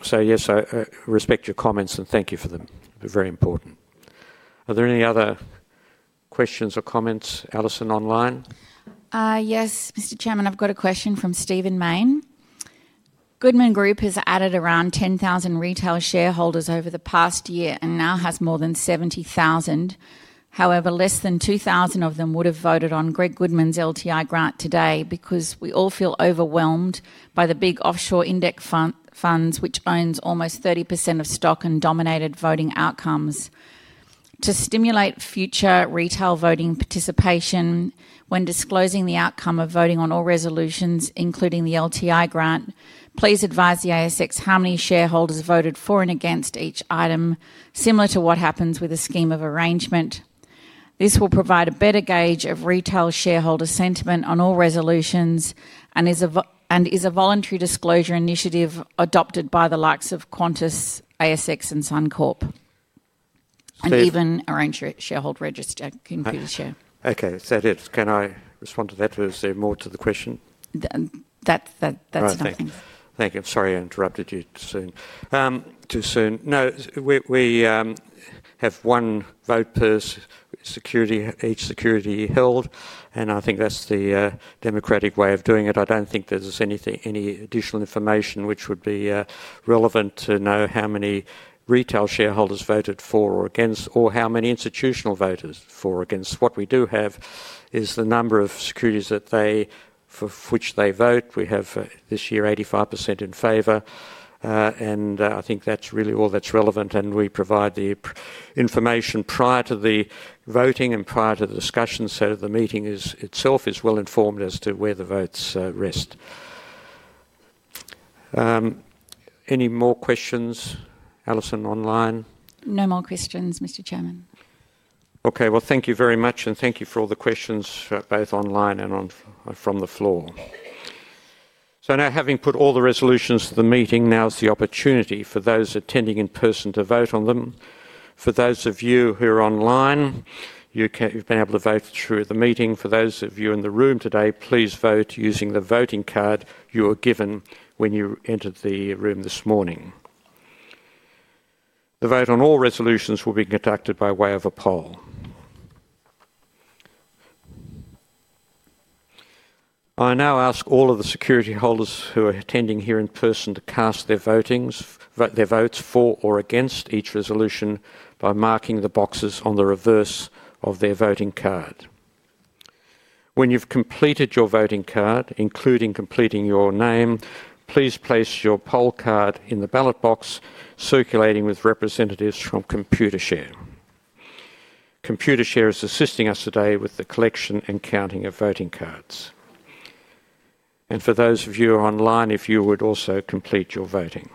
Yes, I respect your comments and thank you for them. They are very important. Are there any other questions or comments, Alison, online? Yes, Mr. Chairman, I've got a question from Stephen Mayne. Goodman Group has added around 10,000 retail shareholders over the past year and now has more than 70,000. However, less than 2,000 of them would have voted on Greg Goodman's LTI grant today because we all feel overwhelmed by the big offshore index funds, which own almost 30% of stock and dominate voting outcomes. To stimulate future retail voting participation, when disclosing the outcome of voting on all resolutions, including the LTI grant, please advise the ASX how many shareholders voted for and against each item, similar to what happens with a scheme of arrangement. This will provide a better gauge of retail shareholder sentiment on all resolutions and is a voluntary disclosure initiative adopted by the likes of Qantas, ASX, and Suncorp and even arranged shareholder register. Can you repeat it, Chair? Okay. Can I respond to that? Was there more to the question? That's nothing. Thank you. Sorry, I interrupted you too soon. No, we have one vote per security, each security held, and I think that's the democratic way of doing it. I don't think there's any additional information which would be relevant to know how many retail shareholders voted for or against or how many institutional voters for or against. What we do have is the number of securities for which they vote. We have this year 85% in favor, and I think that's really all that's relevant. We provide the information prior to the voting and prior to the discussion so that the meeting itself is well-informed as to where the votes rest. Any more questions, Alison, online? No more questions, Mr. Chairman. Okay. Thank you very much, and thank you for all the questions, both online and from the floor. Now, having put all the resolutions to the meeting, now is the opportunity for those attending in person to vote on them. For those of you who are online, you have been able to vote through the meeting. For those of you in the room today, please vote using the voting card you were given when you entered the room this morning. The vote on all resolutions will be conducted by way of a poll. I now ask all of the security holders who are attending here in person to cast their votes for or against each resolution by marking the boxes on the reverse of their voting card. When you've completed your voting card, including completing your name, please place your poll card in the ballot box circulating with representatives from Computershare. Computershare is assisting us today with the collection and counting of voting cards. For those of you online, if you would also complete your voting.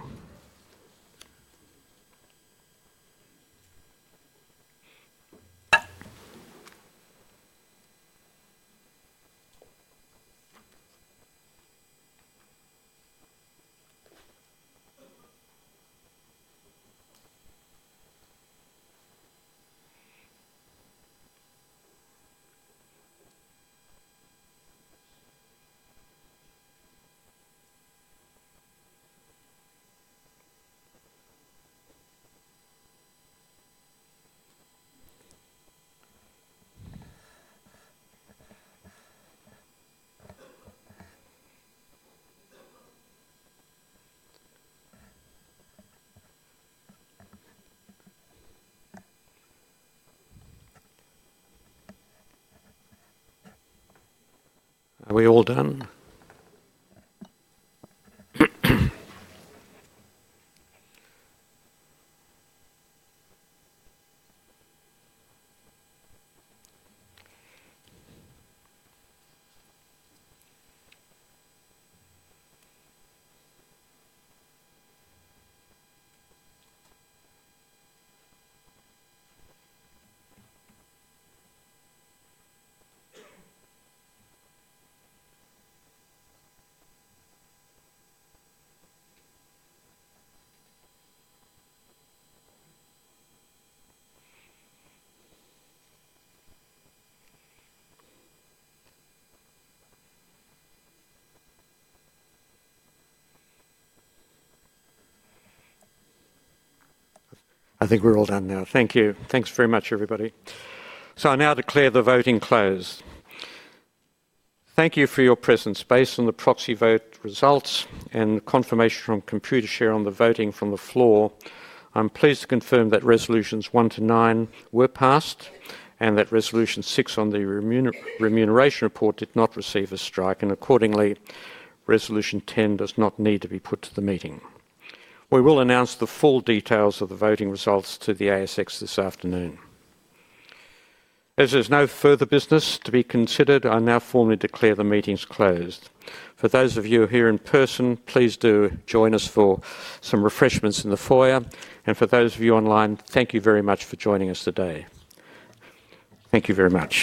Are we all done? I think we're all done now. Thank you. Thanks very much, everybody. I now declare the voting closed. Thank you for your presence. Based on the proxy vote results and confirmation from Computershare on the voting from the floor, I'm pleased to confirm that resolutions 1 to 9 were passed and that resolution 6 on the remuneration report did not receive a strike. Accordingly, resolution 10 does not need to be put to the meeting. We will announce the full details of the voting results to the ASX this afternoon. As there's no further business to be considered, I now formally declare the meeting's closed. For those of you here in person, please do join us for some refreshments in the foyer. For those of you online, thank you very much for joining us today. Thank you very much.